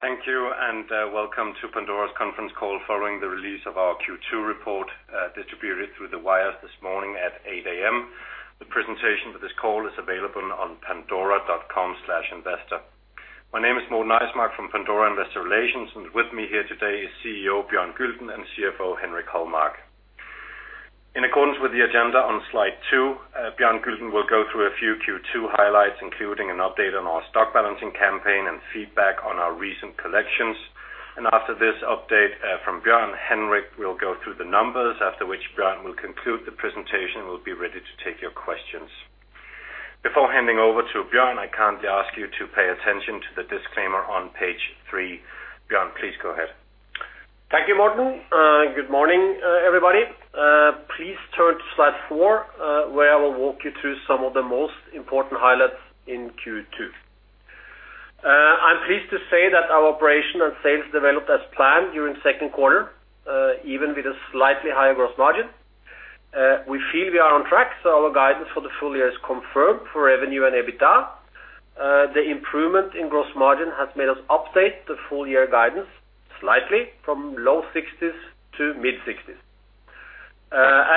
Thank you, and welcome to Pandora's conference call following the release of our Q2 report, distributed through the wires this morning at 8 A.M. The presentation for this call is available on pandora.com/investor. My name is Morten Eismark from Pandora Investor Relations, and with me here today is CEO Bjørn Gulden and CFO Henrik Holmark. In accordance with the agenda on slide two, Bjørn Gulden will go through a few Q2 highlights, including an update on our Stock Balancing Campaign and feedback on our recent collections. And after this update from Bjørn, Henrik will go through the numbers, after which Bjørn will conclude the presentation. We'll be ready to take your questions. Before handing over to Bjørn, I kindly ask you to pay attention to the disclaimer on page 3. Bjørn, please go ahead. Thank you, Morten. Good morning, everybody. Please turn to slide four, where I will walk you through some of the most important highlights in Q2. I'm pleased to say that our operation and sales developed as planned during second quarter, even with a slightly higher gross margin. We feel we are on track, so our guidance for the full year is confirmed for revenue and EBITDA. The improvement in gross margin has made us update the full year guidance slightly from low 60s% to mid-60s%.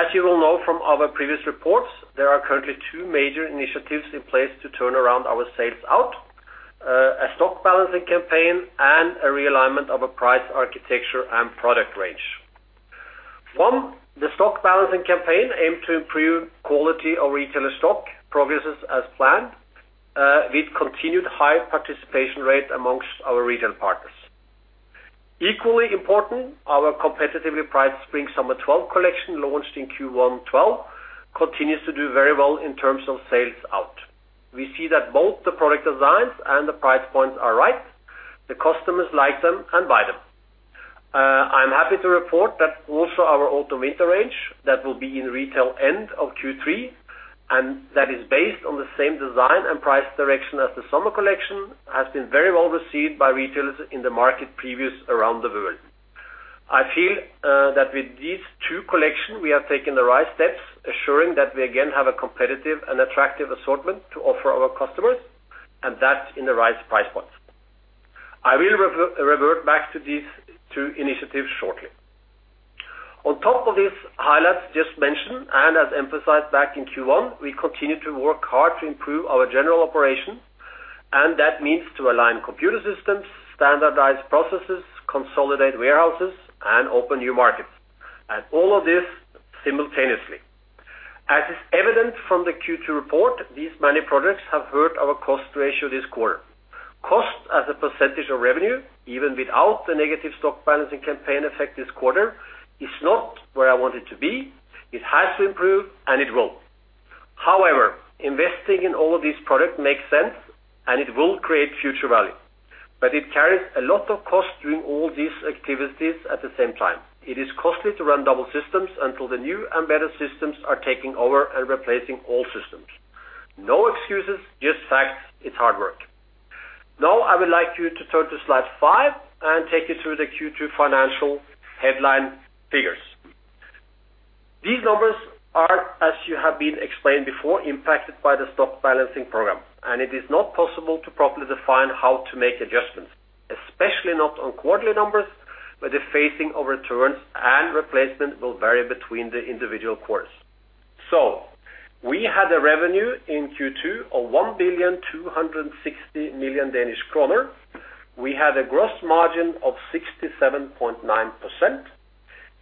As you will know from our previous reports, there are currently two major initiatives in place to turn around our sales-out, a Stock Balancing Campaign and a realignment of a price architecture, and product range. One, the Stock Balancing Campaign, aimed to improve quality of retailer stock, progresses as planned, with continued high participation rate amongst our retail partners. Equally important, our competitively priced Spring/Summer 2012 Collection, launched in Q1 2012, continues to do very well in terms of sales out. We see that both the product designs and the price points are right. The customers like them and buy them. I'm happy to report that also our Autumn/Winter range, that will be in retail end of Q3, and that is based on the same design and price direction as the Summer Collection, has been very well received by retailers in the market previews around the world. I feel, that with these two Collection, we have taken the right steps, assuring that we again have a competitive and attractive assortment to offer our customers, and that's in the right price points. I will revert back to these two initiatives shortly. On top of these highlights just mentioned, and as emphasized back in Q1, we continue to work hard to improve our general operation, and that means to align computer systems, standardize processes, consolidate warehouses, and open new markets, and all of this simultaneously. As is evident from the Q2 report, these many projects have hurt our cost ratio this quarter. Cost as a percentage of revenue, even without the negative Stock Balancing Campaign effect this quarter, is not where I want it to be. It has to improve, and it will. However, investing in all of these projects makes sense, and it will create future value, but it carries a lot of cost doing all these activities at the same time. It is costly to run double systems until the new and better systems are taking over and replacing old systems. No excuses, just facts. It's hard work. Now, I would like you to turn to slide five and take you through the Q2 financial headline figures. These numbers are, as you have been explained before, impacted by the stock balancing program, and it is not possible to properly define how to make adjustments, especially not on quarterly numbers, where the phasing of returns and replacement will vary between the individual quarters. So we had a revenue in Q2 of 1,260 million Danish kroner. We had a gross margin of 67.9%.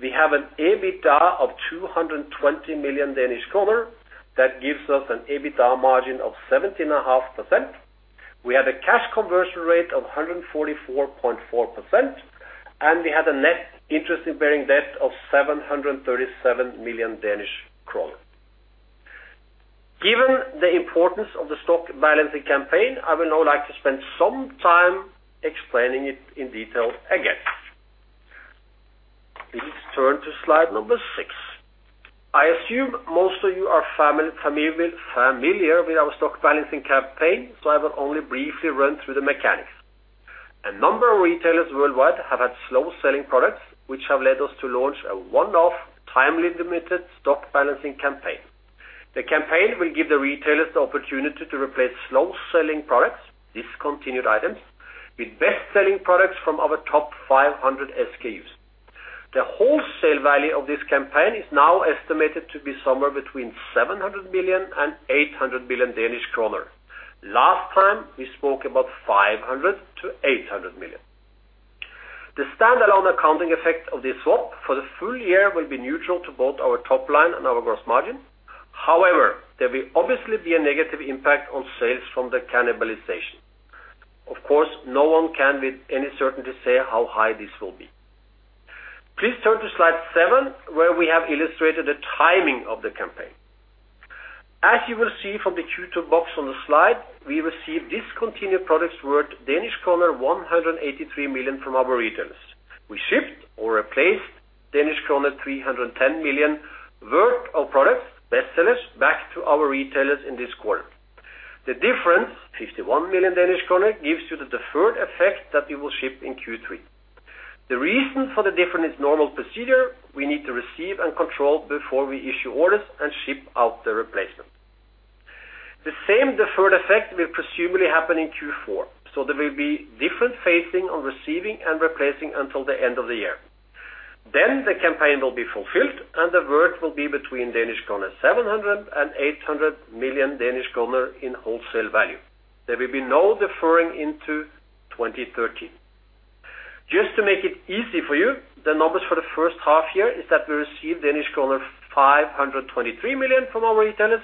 We have an EBITDA of 220 million Danish kroner. That gives us an EBITDA margin of 17.5%. We had a cash conversion rate of 144.4%, and we had a net interest-bearing debt of 737 million Danish kroner. Given the importance of the Stock Balancing Campaign, I would now like to spend some time explaining it in detail again. Please turn to slide number six. I assume most of you are familiar with our Stock Balancing Campaign, so I will only briefly run through the mechanics. A number of retailers worldwide have had slow-selling products, which have led us to launch a one-off, timely limited Stock Balancing Campaign. The campaign will give the retailers the opportunity to replace slow-selling products, discontinued items, with best-selling products from our top 500 SKUs. The wholesale value of this campaign is now estimated to be somewhere between 700 million and 800 million Danish kroner. Last time, we spoke about 500 million-800 million. The standalone accounting effect of this swap for the full year will be neutral to both our top line and our gross margin. However, there will obviously be a negative impact on sales from the cannibalization. Of course, no one can, with any certainty, say how high this will be. Please turn to slide seven, where we have illustrated the timing of the campaign. As you will see from the Q2 box on the slide, we received discontinued products worth Danish kroner 183 million from our retailers. We shipped or replaced Danish kroner 310 million worth of products, best sellers, back to our retailers in this quarter. The difference, 51 million Danish kroner, gives you the deferred effect that we will ship in Q3. The reason for the difference is normal procedure. We need to receive and control before we issue orders and ship out the replacement. The same deferred effect will presumably happen in Q4, so there will be different phasing on receiving and replacing until the end of the year. Then the campaign will be fulfilled, and the work will be between 700-800 million Danish kroner in wholesale value. There will be no deferring into 2013. Just to make it easy for you, the numbers for the first half year is that we received Danish kroner 523 million from our retailers,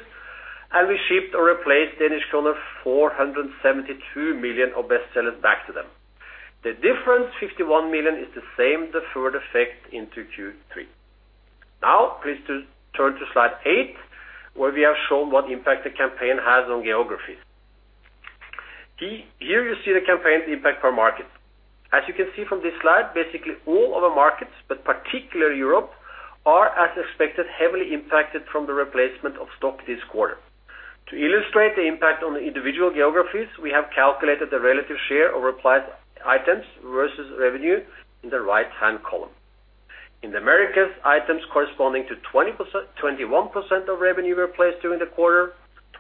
and we shipped or replaced Danish kroner 472 million of best sellers back to them. The difference, 51 million, is the same deferred effect into Q3. Now, please turn to slide eight, where we have shown what impact the campaign has on geographies. Here you see the campaign's impact per market. As you can see from this slide, basically all of our markets, but particularly Europe, are, as expected, heavily impacted from the replacement of stock this quarter. To illustrate the impact on the individual geographies, we have calculated the relative share of replaced items versus revenue in the right-hand column. In the Americas, items corresponding to 20%-21% of revenue were placed during the quarter,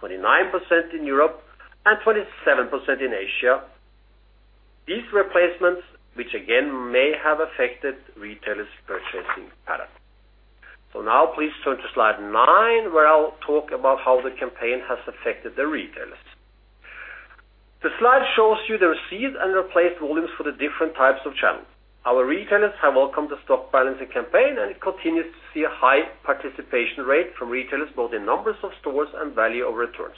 29% in Europe, and 27% in Asia. These replacements, which again, may have affected retailers' purchasing pattern. So now please turn to slide nine, where I'll talk about how the campaign has affected the retailers. The slide shows you the received and replaced volumes for the different types of channels. Our retailers have welcomed the Stock Balancing Campaign, and it continues to see a high participation rate from retailers, both in numbers of stores and value of returns.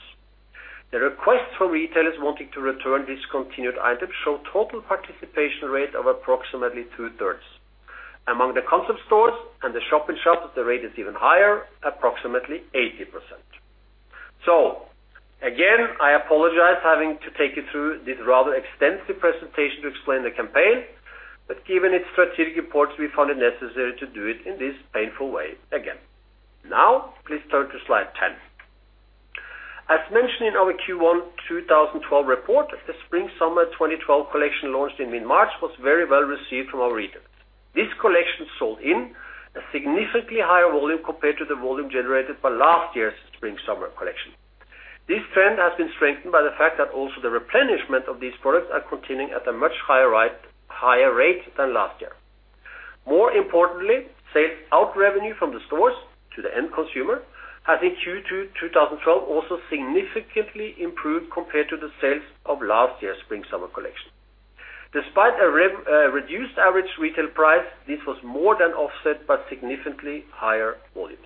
The request from retailers wanting to return discontinued items show total participation rate of approximately two-thirds. Among the concept stores and the shop-in-shops, the rate is even higher, approximately 80%. So again, I apologize having to take you through this rather extensive presentation to explain the campaign, but given its strategic importance, we found it necessary to do it in this painful way again. Now, please turn to slide 10. As mentioned in our Q1 2012 report, the Spring/Summer 2012 Collection launched in mid-March, was very well received from our retailers. This Collection sold in a significantly higher volume compared to the volume generated by last year's Spring/Summer Collection. This trend has been strengthened by the fact that also the replenishment of these products are continuing at a much higher rate, higher rate than last year. More importantly, sales out revenue from the stores to the end consumer, has in Q2 2012, also significantly improved compared to the sales of last year's Spring/Summer 2012 Collection. Despite a reduced average retail price, this was more than offset by significantly higher volume.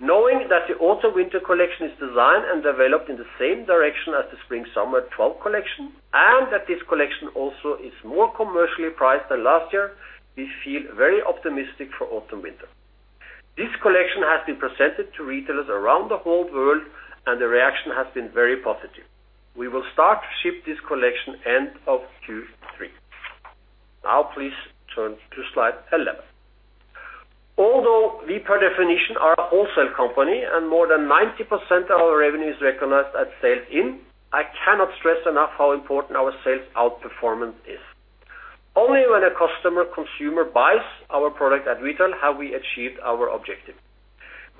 Knowing that the Autumn/Winter 2012 Collection is designed and developed in the same direction as the Spring/Summer 2012 Collection, and that this Collection also is more commercially priced than last year, we feel very optimistic for Autumn, Winter. This Collection has been presented to retailers around the whole world, and the reaction has been very positive. We will start to ship this Collection end of Q3. Now, please turn to slide 11. Although we, per definition, are a wholesale company and more than 90% of our revenue is recognized at sales-in, I cannot stress enough how important our sales-out performance is. Only when a customer, consumer buys our product at retail, have we achieved our objective.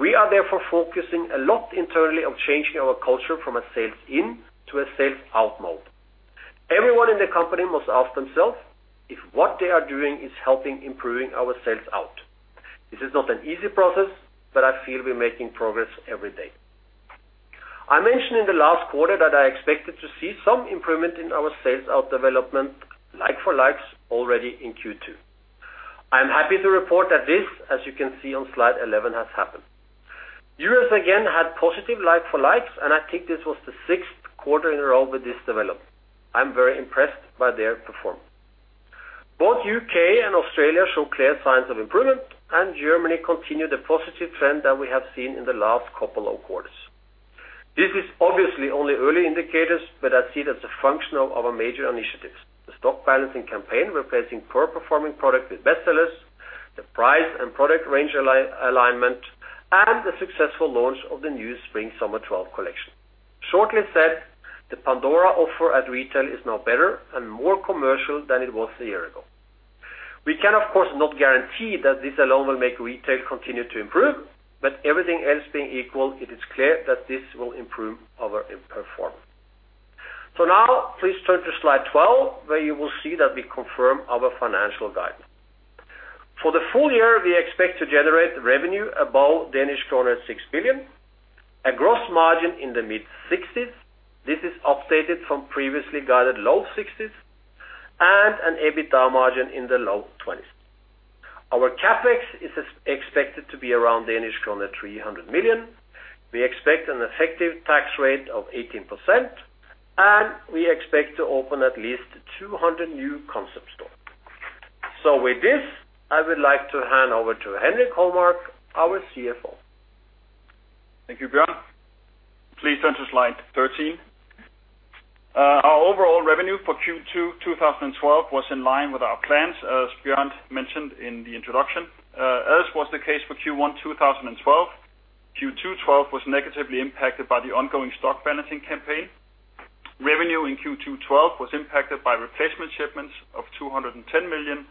We are therefore focusing a lot internally on changing our culture from a sales-in to a sales-out mode. Everyone in the company must ask themselves if what they are doing is helping improving our sales-out. This is not an easy process, but I feel we're making progress every day. I mentioned in the last quarter that I expected to see some improvement in our sales-out development, like-for-like, already in Q2. I'm happy to report that this, as you can see on slide 11, has happened. U.S., again, had positive like-for-like, and I think this was the sixth quarter in a row with this development. I'm very impressed by their performance. Both U.K. and Australia show clear signs of improvement, and Germany continued a positive trend that we have seen in the last couple of quarters. This is obviously only early indicators, but I see it as a function of our major initiatives. The Stock Balancing Campaign, replacing poor performing product with best sellers, the price and product range alignment, and the successful launch of the new Spring/Summer 2012 Collection. Shortly said, the Pandora offer at retail is now better and more commercial than it was a year ago. We can, of course, not guarantee that this alone will make retail continue to improve, but everything else being equal, it is clear that this will improve our performance. So now please turn to slide 12, where you will see that we confirm our financial guidance. For the full year, we expect to generate revenue above Danish kroner 6 billion, a gross margin in the mid-60s%. This is updated from previously guided low 60s%, and an EBITDA margin in the low 20s%. Our CapEx is expected to be around Danish kroner 300 million. We expect an effective tax rate of 18%, and we expect to open at least 200 new concept stores. So with this, I would like to hand over to Henrik Holmark, our CFO. Thank you, Bjørn. Please turn to slide 13. Our overall revenue for Q2 2012 was in line with our plans, as Bjørn mentioned in the introduction. As was the case for Q1 2012, Q2 2012 was negatively impacted by the ongoing Stock Balancing Campaign. Revenue in Q2 2012 was impacted by replacement shipments of 210 million,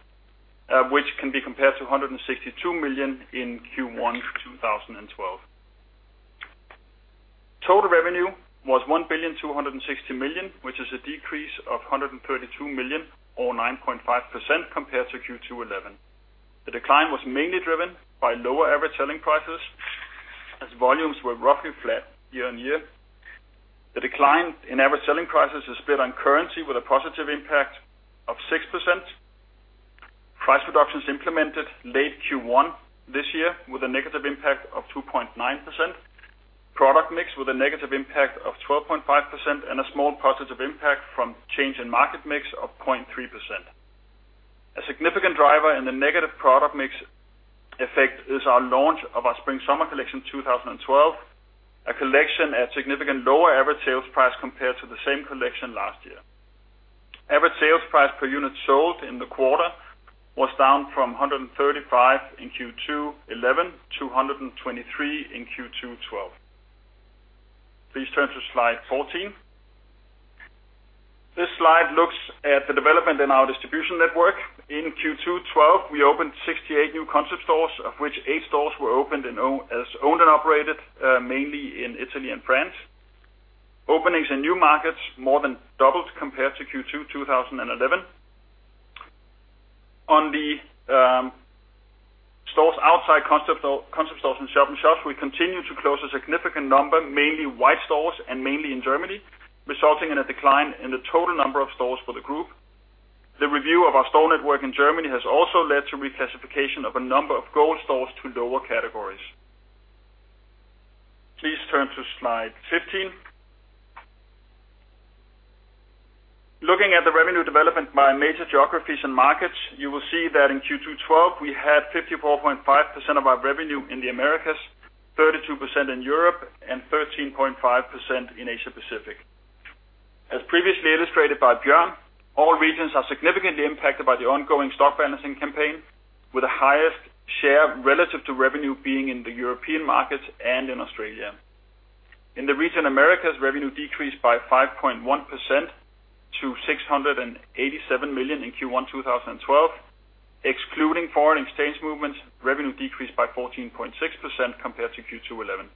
which can be compared to 162 million in Q1 2012. Total revenue was 1,260 million, which is a decrease of 132 million or 9.5% compared to Q2 2011. The decline was mainly driven by lower average selling prices, as volumes were roughly flat year-on-year. The decline in average selling prices is split on currency with a positive impact of 6%. Price reductions implemented late Q1 this year, with a negative impact of 2.9%. Product mix with a negative impact of 12.5%, and a small positive impact from change in market mix of 0.3%. A significant driver in the negative product mix effect is our launch of our Spring/Summer 2012 Collection, a Collection at significantly lower average sales price compared to the same Collection last year. Average sales price per unit sold in the quarter was down from 135 in Q2 2011 to 123 in Q2 2012. Please turn to slide 14. This slide looks at the development in our distribution network. In Q2 2012, we opened 68 new concept stores, of which 8 stores were opened and owned and operated, mainly in Italy and France. Openings in new markets more than doubled compared to Q2 2011. On the stores outside concept, concept stores and shop-in-shops, we continue to close a significant number, mainly white stores and mainly in Germany, resulting in a decline in the total number of stores for the group. The review of our store network in Germany has also led to reclassification of a number of gold stores to lower categories. Please turn to slide 15. Looking at the revenue development by major geographies and markets, you will see that in Q2 2012, we had 54.5% of our revenue in the Americas, 32% in Europe, and 13.5% in Asia Pacific. As previously illustrated by Bjørn, all regions are significantly impacted by the ongoing Stock Balancing Campaign, with the highest share relative to revenue being in the European markets and in Australia. In the region, Americas, revenue decreased by 5.1% to 687 million in Q1 2012. Excluding foreign exchange movements, revenue decreased by 14.6% compared to Q2 2011.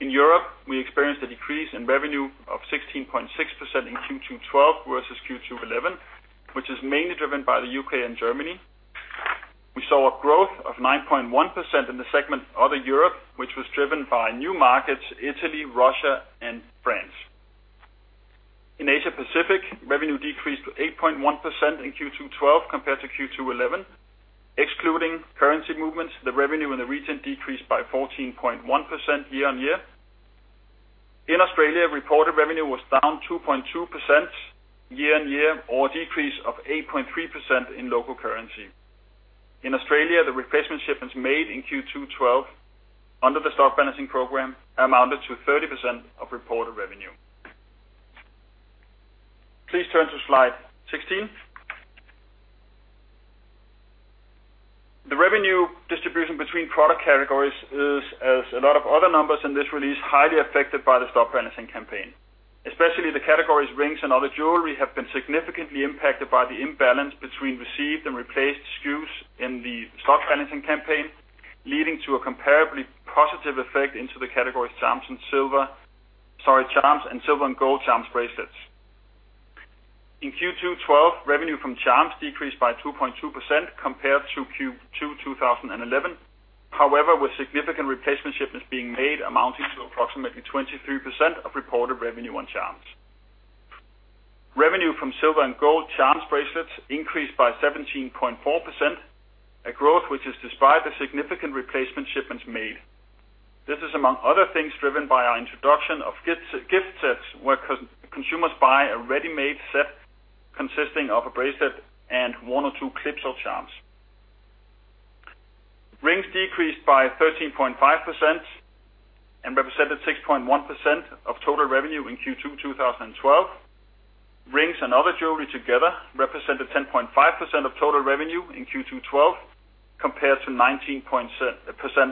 In Europe, we experienced a decrease in revenue of 16.6% in Q2 2012 versus Q2 2011, which is mainly driven by the U.K. and Germany. We saw a growth of 9.1% in the segment, Other Europe, which was driven by new markets, Italy, Russia, and France. In Asia Pacific, revenue decreased to 8.1% in Q2 2012 compared to Q2 2011. Excluding currency movements, the revenue in the region decreased by 14.1% year-on-year. In Australia, reported revenue was down 2.2% year-on-year, or a decrease of 8.3% in local currency. In Australia, the replacement shipments made in Q2 2012 under the Stock Balancing Campaign amounted to 30% of reported revenue. Please turn to slide 16. The revenue distribution between product categories is, as a lot of other numbers in this release, highly affected by the Stock Balancing Campaign Especially the categories, rings and other jewelry, have been significantly impacted by the imbalance between received and replaced SKUs in the Stock Balancing Campaign, leading to a comparably positive effect into the categories, charms and silver, sorry, charms and silver and gold charms bracelets. In Q2 2012, revenue from charms decreased by 2.2% compared to Q2 2011. However, with significant replacement shipments being made, amounting to approximately 23% of reported revenue on charms. Revenue from silver and gold charms bracelets increased by 17.4%, a growth which is despite the significant replacement shipments made. This is, among other things, driven by our introduction of gift, gift sets, where consumers buy a ready-made set consisting of a bracelet and one or two clips or charms. Rings decreased by 13.5% and represented 6.1% of total revenue in Q2 2012. Rings and other jewelry together represented 10.5% of total revenue in Q2 2012, compared to 19.7%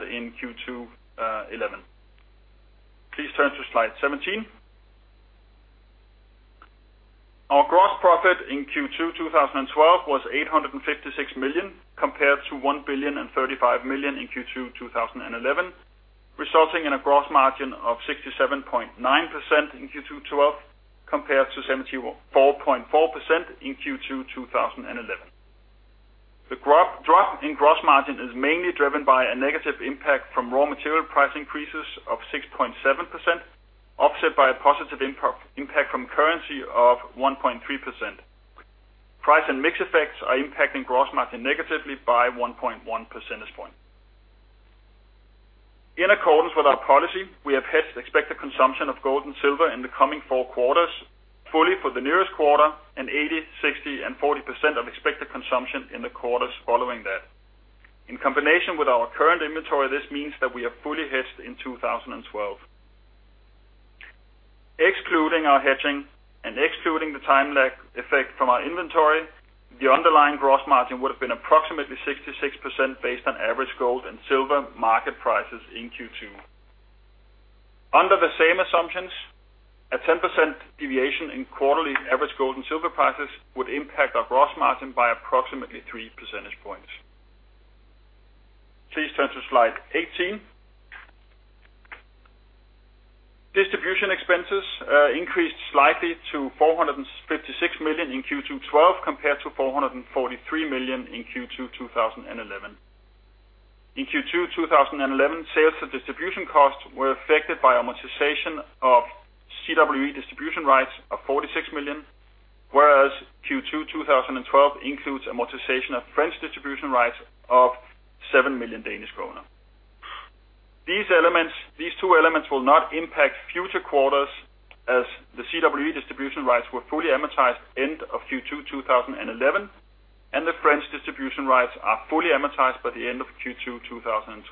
in Q2 2011. Please turn to slide 17. Our gross profit in Q2 2012 was 856 million, compared to 1,035 million in Q2 2011, resulting in a gross margin of 67.9% in Q2 2012, compared to 74.4% in Q2 2011. The drop in gross margin is mainly driven by a negative impact from raw material price increases of 6.7%, offset by a positive impact from currency of 1.3%. Price and mix effects are impacting gross margin negatively by 1.1 percentage points. In accordance with our policy, we have hedged expected consumption of gold and silver in the coming four quarters, fully for the nearest quarter, and 80%, 60%, and 40% of expected consumption in the quarters following that. In combination with our current inventory, this means that we are fully hedged in 2012. Excluding our hedging and excluding the time lag effect from our inventory, the underlying gross margin would have been approximately 66% based on average gold and silver market prices in Q2. Under the same assumptions, a 10% deviation in quarterly average gold and silver prices would impact our gross margin by approximately 3 percentage points. Please turn to slide 18. Distribution expenses increased slightly to 456 million in Q2 2012 compared to 443 million in Q2 2011. In Q2 2011, sales and distribution costs were affected by amortization of CWE distribution rights of 46 million, whereas Q2 2012 includes amortization of French distribution rights of 7 million Danish kroner. These elements, these two elements will not impact future quarters, as the CWE distribution rights were fully amortized end of Q2 2011, and the French distribution rights are fully amortized by the end of Q2 2012.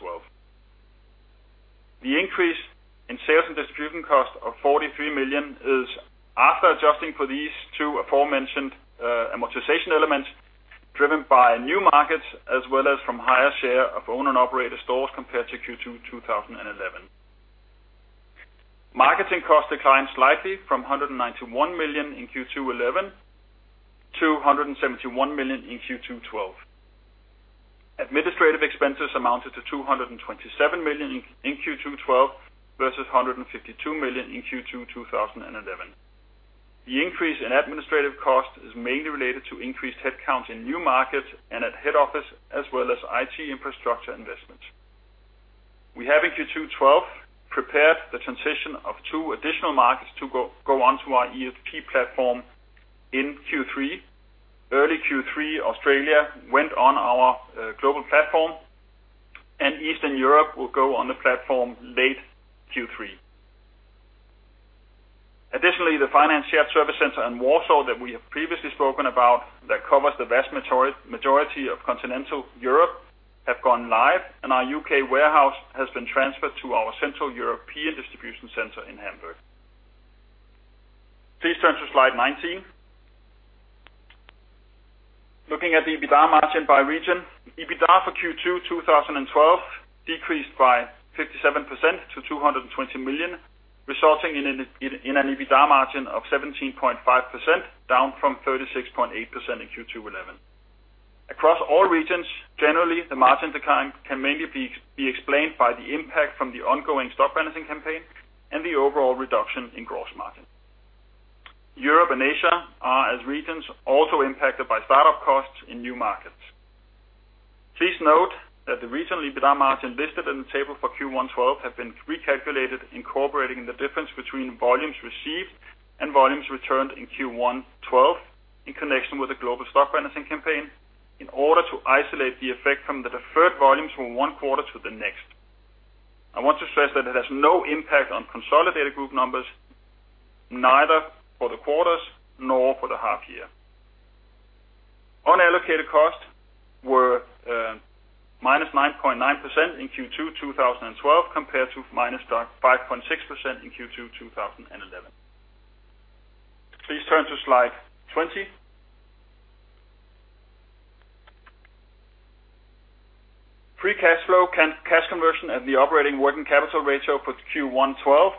The increase in sales and distribution cost of 43 million is after adjusting for these two aforementioned amortization elements, driven by new markets, as well as from higher share of owner and operator stores compared to Q2 2011. Marketing costs declined slightly from 191 million in Q2 2011 to 171 million in Q2 2012. Administrative expenses amounted to 227 million in Q2 2012 versus 152 million in Q2 2011. The increase in administrative cost is mainly related to increased headcount in new markets and at head office, as well as IT infrastructure investment. We have in Q2 2012 prepared the transition of two additional markets to go on to our ERP platform in Q3. Early Q3, Australia went on our global platform, and Eastern Europe will go on the platform late Q3. Additionally, the finance shared service center in Warsaw that we have previously spoken about, that covers the vast majority of Continental Europe, has gone live, and our U.K. warehouse has been transferred to our Central European distribution center in Hamburg. Please turn to slide 19. Looking at the EBITDA margin by region, EBITDA for Q2 2012 decreased by 57% to 220 million, resulting in an EBITDA margin of 17.5%, down from 36.8% in Q2 2011. Across all regions, generally, the margin decline can mainly be explained by the impact from the ongoing Stock Balancing Campaign and the overall reduction in gross margin. Europe and Asia are, as regions, also impacted by startup costs in new markets. Please note that the regional EBITDA margin listed in the table for Q1 2012 have been recalculated, incorporating the difference between volumes received and volumes returned in Q1 2012, in connection with the global Stock Balancing Campaign, in order to isolate the effect from the deferred volumes from one quarter to the next. I want to stress that it has no impact on consolidated group numbers, neither for the quarters nor for the half year. Unallocated costs were minus 9.9% in Q2 2012, compared to minus 5.6% in Q2 2011. Please turn to slide 20. Free cash flow, cash conversion, and the operating working capital ratio for Q1 2012,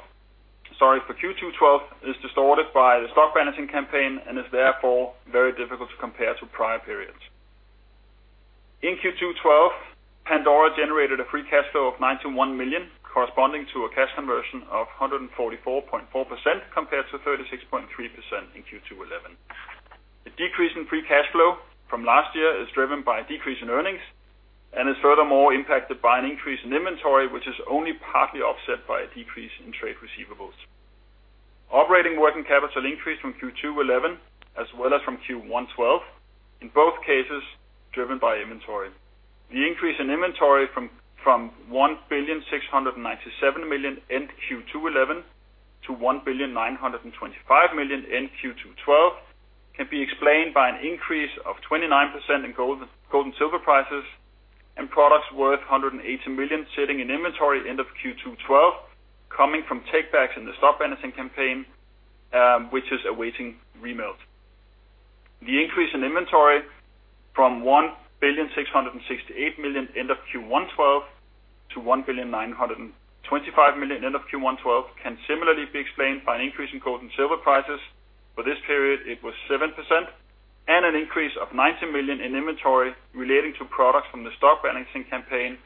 sorry, for Q2 2012, is distorted by the Stock Balancing Campaign and is therefore very difficult to compare to prior periods. In Q2 2012, Pandora generated a Free cash flow of 91 million, corresponding to a cash conversion of 144.4%, compared to 36.3% in Q2 2011. The decrease in Free cash flow from last year is driven by a decrease in earnings and is furthermore impacted by an increase in inventory, which is only partly offset by a decrease in trade receivables. Operating working capital increased from Q2 2011, as well as from Q1 2012, in both cases, driven by inventory. The increase in inventory from 1,697 million in Q2 2011 to 1,925 million in Q2 2012 can be explained by an increase of 29% in gold and silver prices, and products worth 180 million sitting in inventory end of Q2 2012, coming from takebacks in the Stock Balancing Campaign, which is awaiting remelt. The increase in inventory from 1,668 million end of Q1 2012 to 1,925 million end of Q1 2012 can similarly be explained by an increase in gold and silver prices. For this period, it was 7%, and an increase of 90 million in inventory relating to products from the Stock Balancing Campaign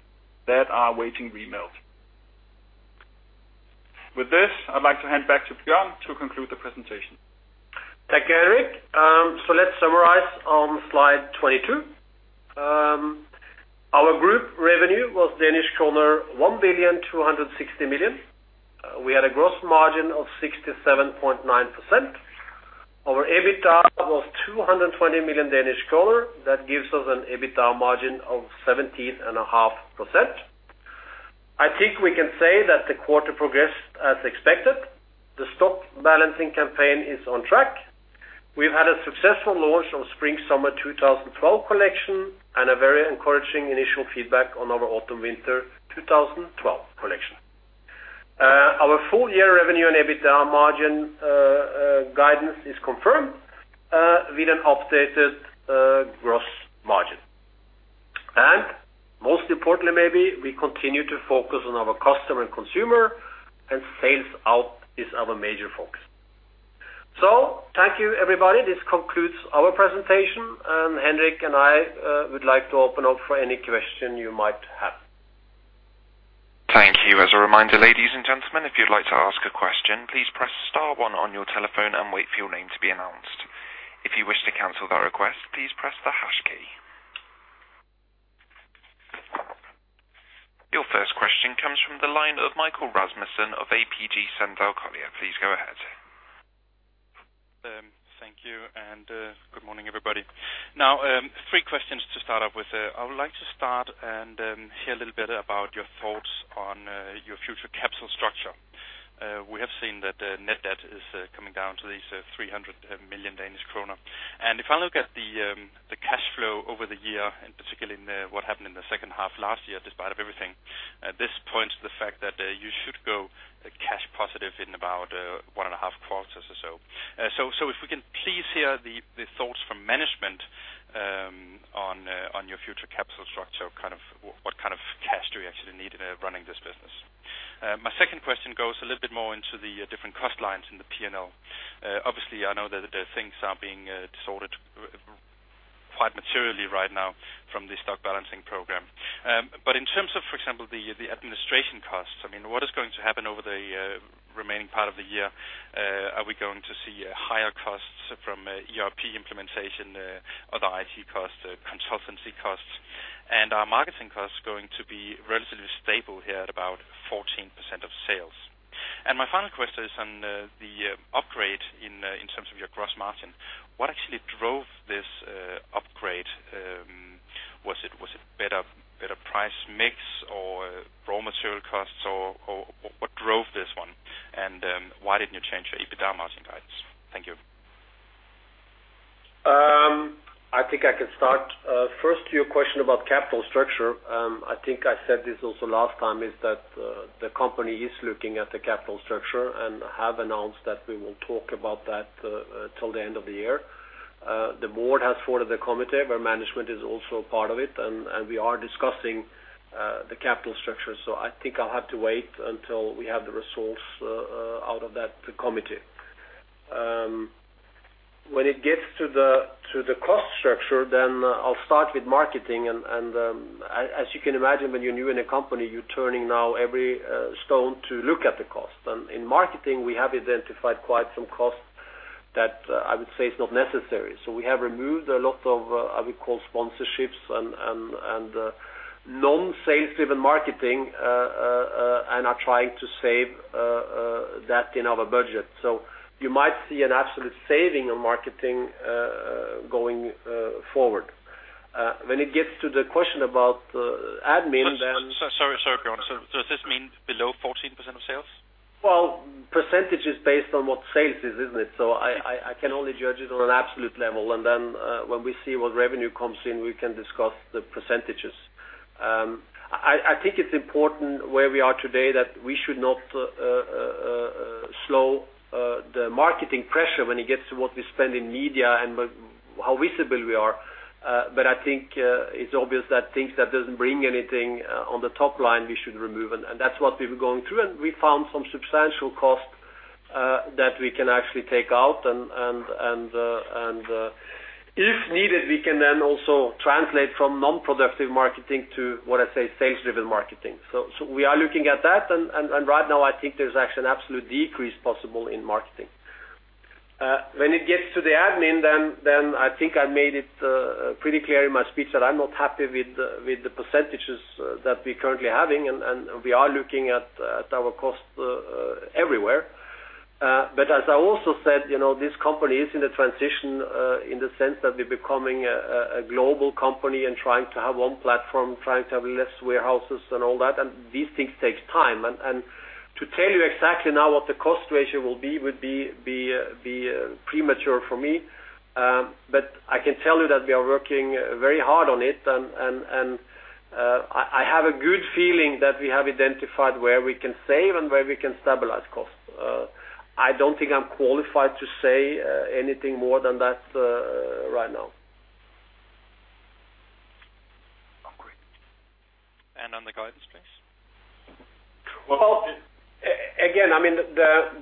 that are waiting remelt. With this, I'd like to hand back to Bjørn to conclude the presentation. Thank you, Henrik. So let's summarize on slide 22. Our group revenue was Danish kroner 1,260 million. We had a gross margin of 67.9%. Our EBITDA was DKK 220 million. That gives us an EBITDA margin of 17.5%. I think we can say that the quarter progressed as expected. The Stock Balancing Campaign is on track. We've had a successful launch of Spring/Summer 2012 Collection, and a very encouraging initial feedback on our Autumn/Winter 2012 Collection. Our full year revenue and EBITDA margin guidance is confirmed, with an updated gross margin. And most importantly, maybe we continue to focus on our customer and consumer, and sales-out is our major focus. So thank you, everybody. This concludes our presentation, and Henrik and I would like to open up for any question you might have. Thank you. As a reminder, ladies and gentlemen, if you'd like to ask a question, please press star one on your telephone and wait for your name to be announced. If you wish to cancel that request, please press the hash key. Your first question comes from the line of Michael Rasmussen of ABG Sundal Collier. Please go ahead. Thank you, and good morning, everybody. Now, three questions to start off with. I would like to start and hear a little bit about your thoughts on your future capital structure. We have seen that the net debt is coming down to 300 million Danish kroner. And if I look at the cash flow over the year, and particularly in what happened in the second half last year, despite everything, this points to the fact that you should go cash positive in about one and a half quarters or so. So if we can please hear the thoughts from management on your future capital structure, kind of, what kind of cash do you actually need running this business? My second question goes a little bit more into the different cost lines in the P&L. Obviously, I know that the things are being sorted quite materially right now from the stock balancing program. But in terms of, for example, the administration costs, I mean, what is going to happen over the remaining part of the year? Are we going to see higher costs from ERP implementation, other IT costs, consultancy costs, and are marketing costs going to be relatively stable here at about 14% of sales? And my final question is on the upgrade in terms of your gross margin. What actually drove this upgrade? Was it better price mix or raw material costs, or what drove this one? And why didn't you change your EBITDA margin guidance? Thank you. I think I can start. First, your question about capital structure. I think I said this also last time, is that the company is looking at the capital structure and have announced that we will talk about that till the end of the year. The board has formed a committee where management is also a part of it, and we are discussing the capital structure. So I think I'll have to wait until we have the results out of that committee. When it gets to the cost structure, then I'll start with marketing and, as you can imagine, when you're new in a company, you're turning now every stone to look at the cost. And in marketing, we have identified quite some costs that I would say is not necessary. So we have removed a lot of what I would call sponsorships and non-sales driven marketing, and are trying to save that in our budget. So you might see an absolute saving on marketing going forward. When it gets to the question about admin, then- Sorry, sorry, Bjørn. So does this mean below 14% of sales? Well, percentage is based on what sales is, isn't it? So I can only judge it on an absolute level, and then when we see what revenue comes in, we can discuss the percentages. I think it's important where we are today, that we should not slow the marketing pressure when it gets to what we spend in media and how visible we are. But I think it's obvious that things that doesn't bring anything on the top line, we should remove, and that's what we've been going through, and we found some substantial costs that we can actually take out. And if needed, we can then also translate from non-productive marketing to what I say, sales-driven marketing. So we are looking at that, and right now, I think there's actually an absolute decrease possible in marketing. When it gets to the admin, then I think I made it pretty clear in my speech that I'm not happy with the percentages that we're currently having, and we are looking at our costs everywhere. But as I also said, you know, this company is in a transition in the sense that we're becoming a global company and trying to have one platform, trying to have less warehouses and all that, and these things take time. And to tell you exactly now what the cost ratio will be would be premature for me. But I can tell you that we are working very hard on it and I have a good feeling that we have identified where we can save and where we can stabilize costs. I don't think I'm qualified to say anything more than that right now. On the guidance, please? Well, again, I mean,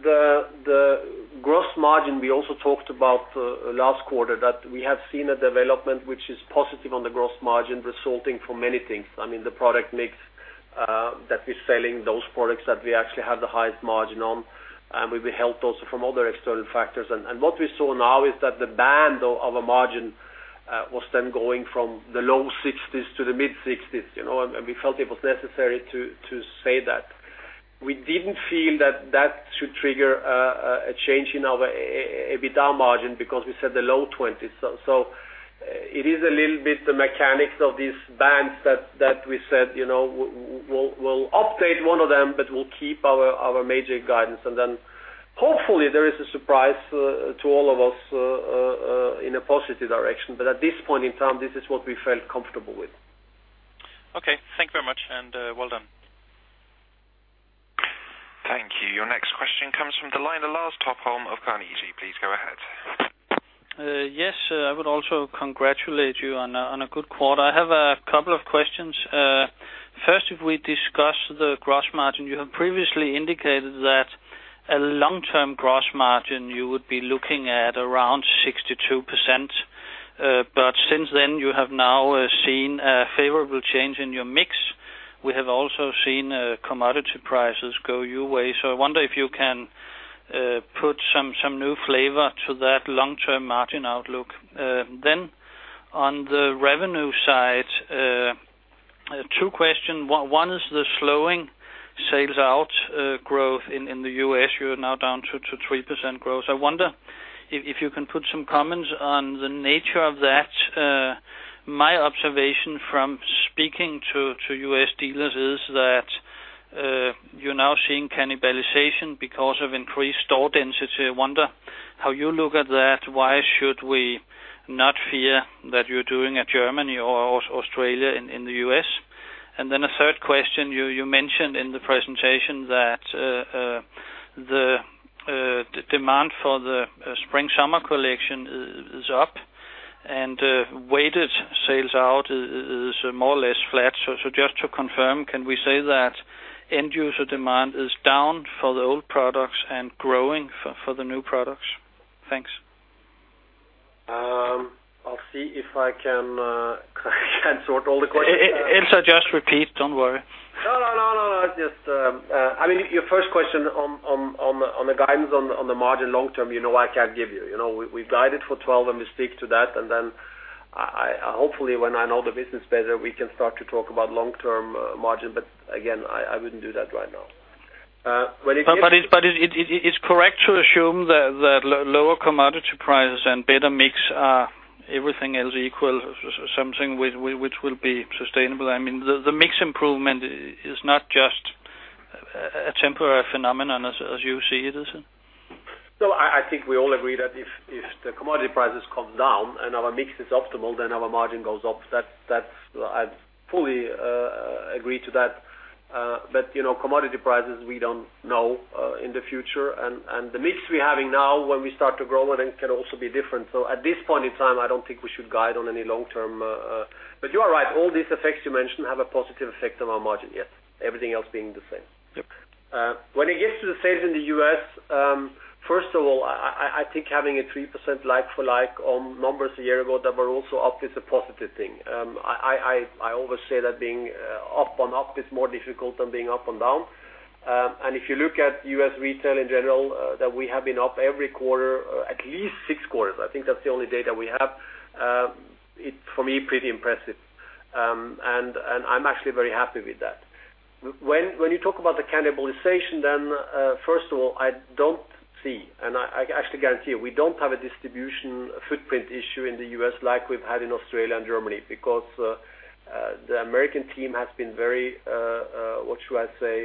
the gross margin, we also talked about last quarter, that we have seen a development which is positive on the gross margin, resulting from many things. I mean, the product mix that we're selling, those products that we actually have the highest margin on, and we've been helped also from other external factors. And what we saw now is that the band of the margin was then going from the low 60s to the mid-60s, you know, and we felt it was necessary to say that. We didn't feel that that should trigger a change in our EBITDA margin because we set the low 20s. So it is a little bit the mechanics of these bands that we said, you know, we'll update one of them, but we'll keep our major guidance, and then hopefully there is a surprise to all of us in a positive direction. But at this point in time, this is what we felt comfortable with. Okay, thank you very much, and, well done. Thank you. Your next question comes from the line of Lars Topholm of Carnegie. Please go ahead. Yes, I would also congratulate you on a good quarter. I have a couple of questions. First, if we discuss the gross margin, you have previously indicated that a long-term gross margin, you would be looking at around 62%. But since then, you have now seen a favorable change in your mix. We have also seen commodity prices go your way. So I wonder if you can put some new flavor to that long-term margin outlook. Then on the revenue side, two question. One is the slowing sales out growth in the U.S., you are now down to 3% growth. I wonder if you can put some comments on the nature of that? My observation from speaking to U.S. dealers is that you're now seeing cannibalization because of increased store density. I wonder how you look at that. Why should we not fear that you're doing a Germany or Australia in the U.S.? And then a third question, you mentioned in the presentation that the demand for the Spring/Summer Collection is up, and weighted sales-out is more or less flat. So just to confirm, can we say that end user demand is down for the old products and growing for the new products? Thanks. I'll see if I can sort all the questions. If so, just repeat, don't worry. No, no, no, no, no. Just, I mean, your first question on the guidance on the margin long term, you know, I can't give you. You know, we've guided for 12, and we stick to that. And then I hopefully, when I know the business better, we can start to talk about long-term margin. But again, I wouldn't do that right now. When it comes- But it's correct to assume that lower commodity prices and better mix are everything else equal, something which will be sustainable. I mean, the mix improvement is not just a temporary phenomenon as you see it, is it? No, I think we all agree that if the commodity prices come down and our mix is optimal, then our margin goes up. That's, I fully agree to that. But, you know, commodity prices, we don't know in the future, and the mix we're having now, when we start to grow, it can also be different. So at this point in time, I don't think we should guide on any long-term. But you are right, all these effects you mentioned have a positive effect on our margin, yes. Everything else being the same. Yep. When it gets to the sales in the U.S., first of all, I think having a 3% like-for-like on numbers a year ago that were also up is a positive thing. I always say that being up on up is more difficult than being up on down. And if you look at U.S. retail in general, that we have been up every quarter, at least six quarters, I think that's the only data we have. It's for me pretty impressive. And I'm actually very happy with that. When you talk about the cannibalization, then, first of all, I don't see, and I actually guarantee you, we don't have a distribution footprint issue in the U.S. like we've had in Australia and Germany, because the American team has been very, what should I say?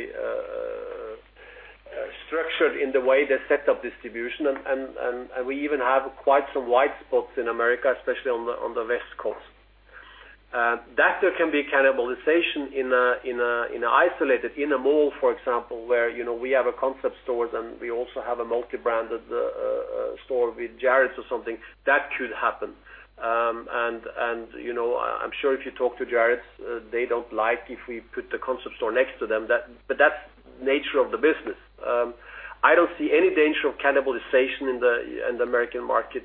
Structured in the way they set up distribution, and we even have quite some white spots in America, especially on the West Coast. That there can be cannibalization in an isolated mall, for example, where, you know, we have a concept stores, and we also have a multi-branded store with Jared or something, that could happen. You know, I'm sure if you talk to Jared, they don't like if we put the concept store next to them, that, but that's the nature of the business. I don't see any danger of cannibalization in the American market,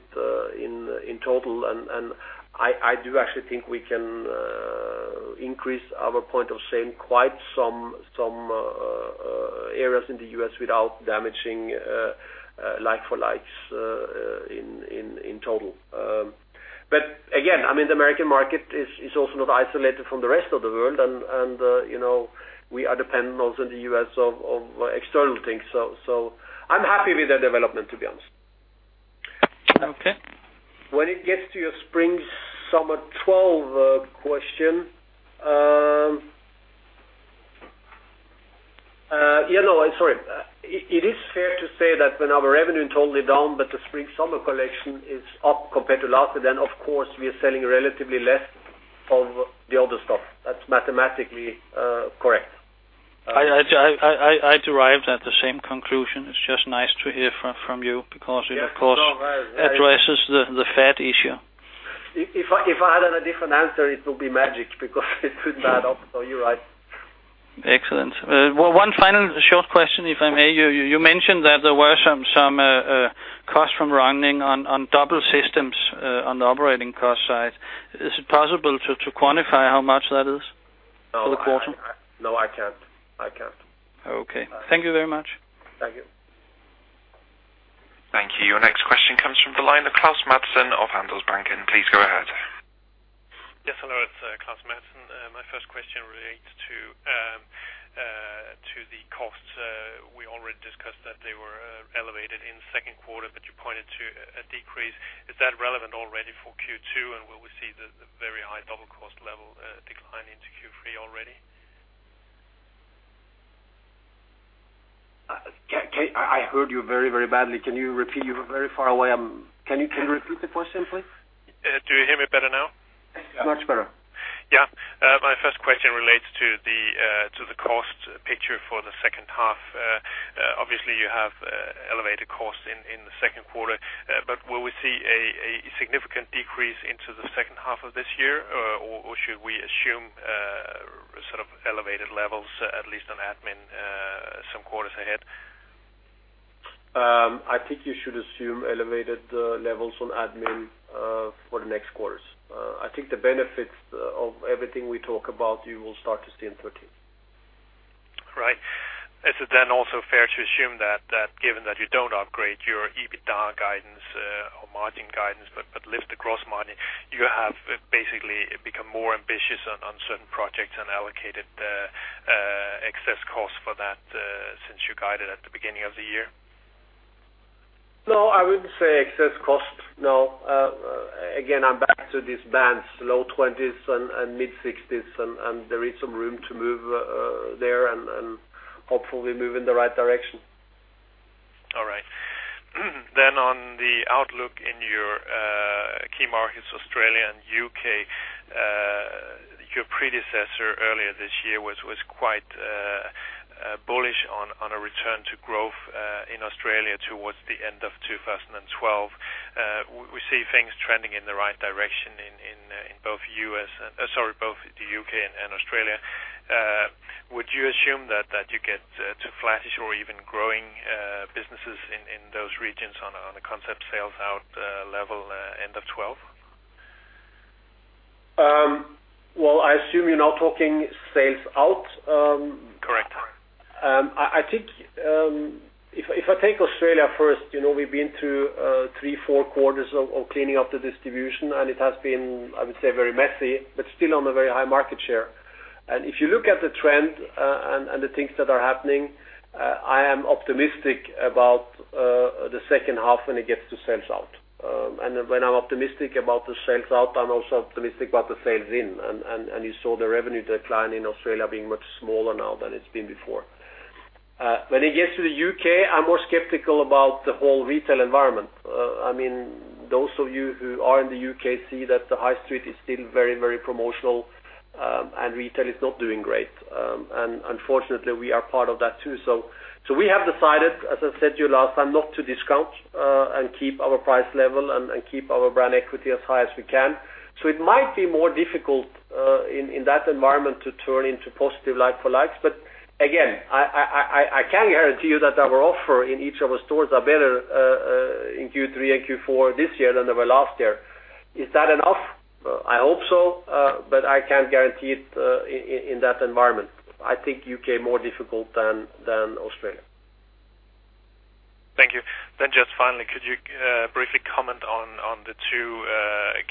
in total. And I do actually think we can increase our point of sale quite some areas in the U.S. without damaging like-for-likes, in total. But again, I mean, the American market is also not isolated from the rest of the world. And you know, we are dependent also in the U.S. of external things. So I'm happy with the development, to be honest. Okay. When it gets to your Spring/Summer 2012 question, you know, sorry. It is fair to say that when our revenue is totally down, but the Spring/Summer Collection is up compared to last year, then, of course, we are selling relatively less of the other stuff. That's mathematically correct. I derived at the same conclusion. It's just nice to hear from you because it, of course- Yeah. Addresses the fat issue. If I had a different answer, it will be magic, because it couldn't add up, so you're right. Excellent. Well, one final short question, if I may. You mentioned that there were some costs from running on double systems on the operating cost side. Is it possible to quantify how much that is for the quarter? No, I can't. I can't. Okay. Thank you very much. Thank you. Thank you. Your next question comes from the line of Klaus Madsen of Handelsbanken. Please go ahead. Yes, hello, it's Klaus Madsen. My first question relates to the costs. We already discussed that they were elevated in second quarter, but you pointed to a decrease. Is that relevant already for Q2, and will we see the very high double cost level decline into Q3 already? I, I heard you very, very badly. Can you repeat? You're very far away. Can you, can you repeat the question, please? Do you hear me better now? Much better. Yeah. My first question relates to the cost picture for the second half. Obviously, you have elevated costs in the second quarter, but will we see a significant decrease into the second half of this year, or should we assume sort of elevated levels, at least on admin, some quarters ahead? I think you should assume elevated levels on admin for the next quarters. I think the benefits of everything we talk about, you will start to see in 2013. Right. Is it then also fair to assume that, given that you don't upgrade your EBITDA guidance, or margin guidance, but lift the gross margin, you have basically become more ambitious on certain projects and allocated excess costs for that, since you guided at the beginning of the year? No, I wouldn't say excess cost, no. Again, I'm back to these bands, low 20s and mid-60s, and there is some room to move there, and hopefully move in the right direction. All right. Then on the outlook in your key markets, Australia and U.K., your predecessor earlier this year was quite bullish on a return to growth in Australia towards the end of 2012. We see things trending in the right direction in both the U.S. and, sorry, both the U.K. and Australia. Would you assume that you get to flattish or even growing businesses in those regions on a concept sales out level end of 2012? Well, I assume you're now talking sales out. Correct. I think, if I take Australia first, you know, we've been through 3-4 quarters of cleaning up the distribution, and it has been, I would say, very messy, but still on a very high market share. And if you look at the trend, and the things that are happening, I am optimistic about the second half when it gets to sales out. And when I'm optimistic about the sales out, I'm also optimistic about the sales in, and you saw the revenue decline in Australia being much smaller now than it's been before. When it gets to the U.K., I'm more skeptical about the whole retail environment. I mean, those of you who are in the U.K. see that the high street is still very, very promotional, and retail is not doing great. And unfortunately, we are part of that too. So we have decided, as I said to you last time, not to discount, and keep our price level and keep our brand equity as high as we can. So it might be more difficult, in that environment to turn into positive like-for-like. But again, I can guarantee you that our offer in each of our stores are better, in Q3 and Q4 this year than they were last year. Is that enough? I hope so, but I can't guarantee it, in that environment. I think U.K. more difficult than Australia. Thank you. Then just finally, could you briefly comment on the two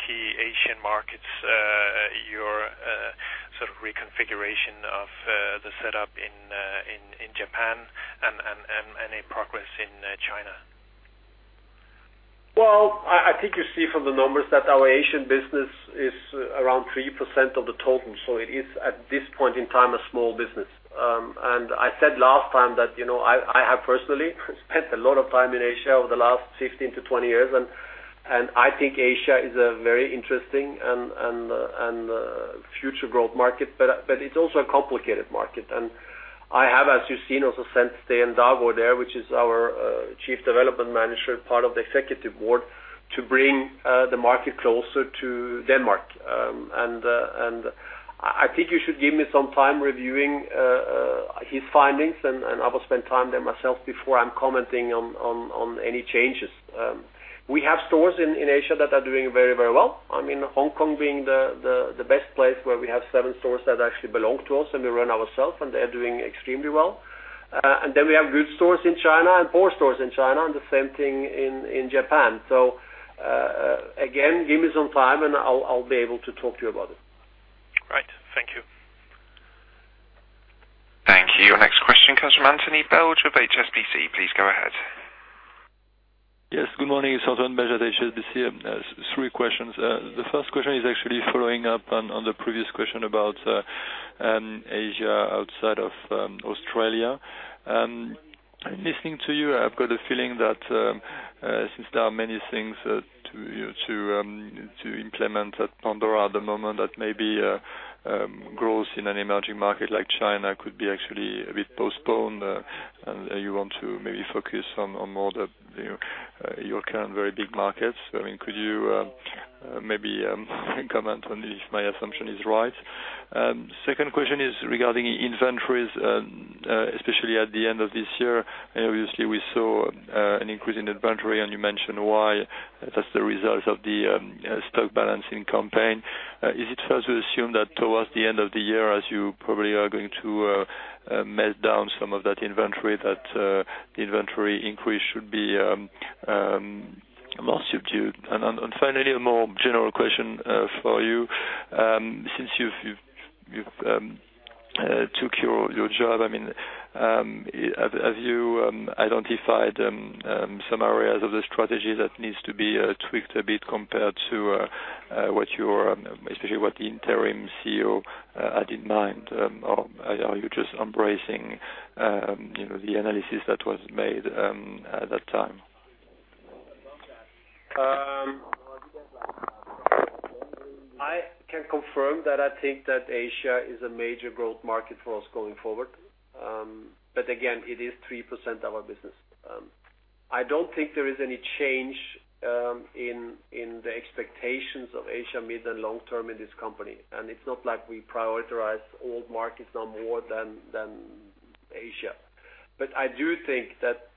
key Asian markets, your sort of reconfiguration of the setup in Japan and any progress in China? Well, I think you see from the numbers that our Asian business is around 3% of the total, so it is, at this point in time, a small business. And I said last time that, you know, I have personally spent a lot of time in Asia over the last 15-20 years, and I think Asia is a very interesting and future growth market, but it's also a complicated market. And I have, as you've seen, also sent Sten Daugaard there, which is our Chief Development Officer, part of the executive board, to bring the market closer to Denmark. And I think you should give me some time reviewing his findings, and I will spend time there myself before I'm commenting on any changes. We have stores in Asia that are doing very, very well. I mean, Hong Kong being the best place, where we have 7 stores that actually belong to us, and we run ourself, and they are doing extremely well. And then we have good stores in China and poor stores in China, and the same thing in Japan. So, again, give me some time, and I'll be able to talk to you about it. Right. Thank you. Thank you. Next question comes from Antoine Belge with HSBC. Please go ahead. Yes, good morning. It's Antoine Belge with HSBC. Three questions. The first question is actually following up on the previous question about Asia outside of Australia. Listening to you, I've got a feeling that since there are many things to implement at Pandora at the moment, that maybe growth in an emerging market like China could be actually a bit postponed, and you want to maybe focus on more the, you know, your current very big markets. I mean, could you maybe comment on if my assumption is right? Second question is regarding inventories, especially at the end of this year. Obviously, we saw an increase in inventory, and you mentioned why. That's the result of the Stock Balancing Campaign. Is it fair to assume that towards the end of the year, as you probably are going to melt down some of that inventory, that inventory increase should be more subdued? And finally, a more general question for you. Since you've took your job, I mean, have you identified some areas of the strategy that needs to be tweaked a bit compared to what you're especially what the interim CEO had in mind? Or are you just embracing, you know, the analysis that was made at that time? I can confirm that I think that Asia is a major growth market for us going forward. But again, it is 3% of our business. I don't think there is any change in the expectations of Asia, mid and long term in this company. And it's not like we prioritize old markets now more than Asia. But I do think that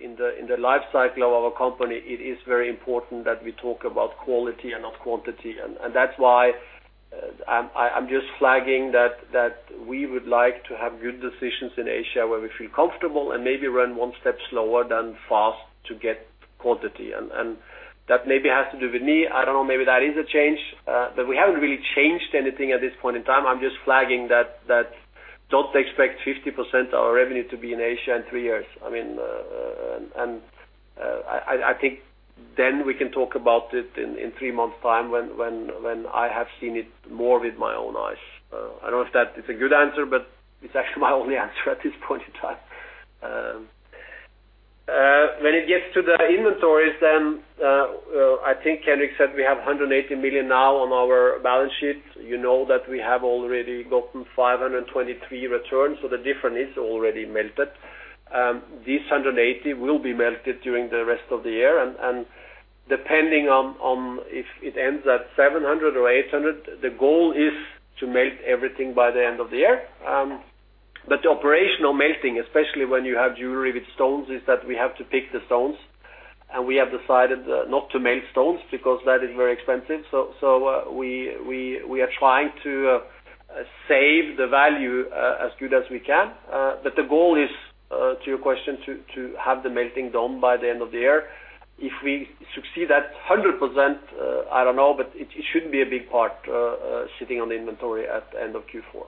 in the life cycle of our company, it is very important that we talk about quality and not quantity. And that's why I'm just flagging that we would like to have good decisions in Asia, where we feel comfortable and maybe run one step slower than fast to get quantity. And that maybe has to do with me. I don't know, maybe that is a change, but we haven't really changed anything at this point in time. I'm just flagging that. Don't expect 50% of our revenue to be in Asia in three years. I mean, and I think then we can talk about it in three months' time, when I have seen it more with my own eyes. I don't know if that is a good answer, but it's actually my only answer at this point in time. When it gets to the inventories, then I think Henrik said we have 180 million now on our balance sheet. You know that we have already gotten 523 million returns, so the difference is already melted. This 180 will be melted during the rest of the year, and depending on if it ends at 700 or 800, the goal is to melt everything by the end of the year. But the operational melting, especially when you have jewelry with stones, is that we have to pick the stones, and we have decided not to melt stones because that is very expensive. We are trying to save the value as good as we can. The goal is, to your question, to have the melting done by the end of the year. If we succeed that 100%, I don't know, but it shouldn't be a big part sitting on the inventory at the end of Q4.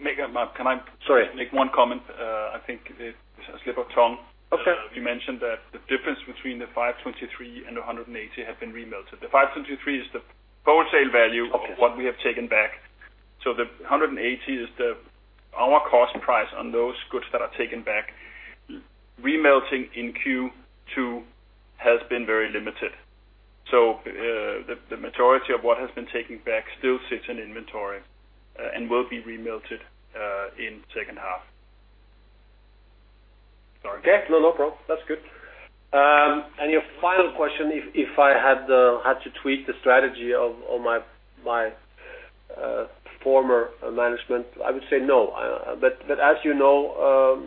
Make a mark. Can I- Sorry. Make one comment? I think it's a slip of tongue. Okay. You mentioned that the difference between the 523 and the 180 have been remelted. The 523 is the wholesale value- Okay. Of what we have taken back. So the 180 is our cost price on those goods that are taken back. Remelting in Q2 has been very limited, so the majority of what has been taken back still sits in inventory and will be remelted in second half. Okay. No, no problem. That's good. And your final question, if, if I had, had to tweak the strategy of, of my, my, former management, I would say no. But, but as you know,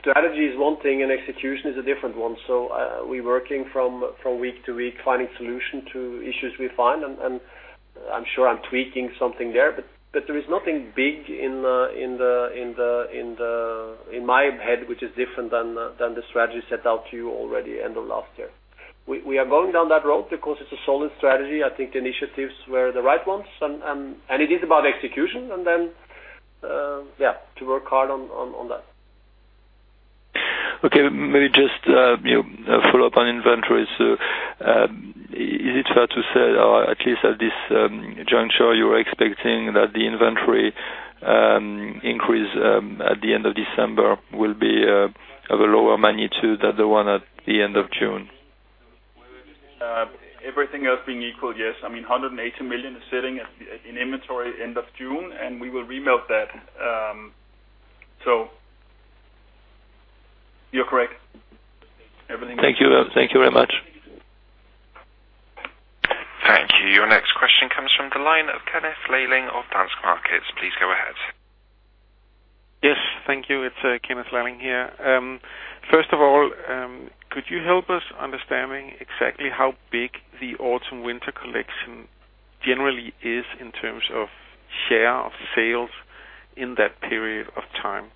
strategy is one thing and execution is a different one. So, we're working from, from week to week, finding solution to issues we find, and, and I'm sure I'm tweaking something there, but, but there is nothing big in, in the, in the, in the, in my head, which is different than, than the strategy set out to you already end of last year. We, we are going down that road because it's a solid strategy. I think the initiatives were the right ones, and, and it is about execution, and then, yeah, to work hard on, on, on that. Okay, maybe just, you know, follow up on inventories. Is it fair to say, or at least at this juncture, you're expecting that the inventory increase at the end of December will be of a lower magnitude than the one at the end of June? Everything else being equal, yes. I mean, 180 million is sitting at, in inventory end of June, and we will remelt that. So you're correct. Everything- Thank you. Thank you very much. Thank you. Your next question comes from the line of Kenneth Leiling of Danske Bank. Please go ahead. Yes, thank you. It's Kenneth Leiling here. First of all, could you help us understanding exactly how big the Autumn/Winter Collection generally is in terms of share of sales in that period of time?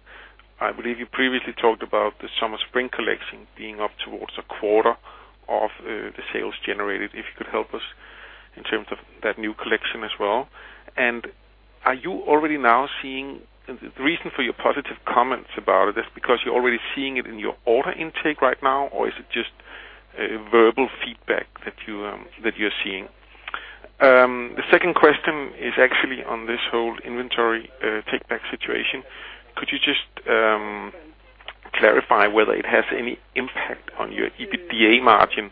I believe you previously talked about the Summer/Spring Collection being up towards a quarter of the sales generated. If you could help us in terms of that new Collection as well. And are you already now seeing the reason for your positive comments about it, is because you're already seeing it in your order intake right now, or is it just verbal feedback that you're seeing? The second question is actually on this whole inventory take back situation. Could you just clarify whether it has any impact on your EBITDA margin,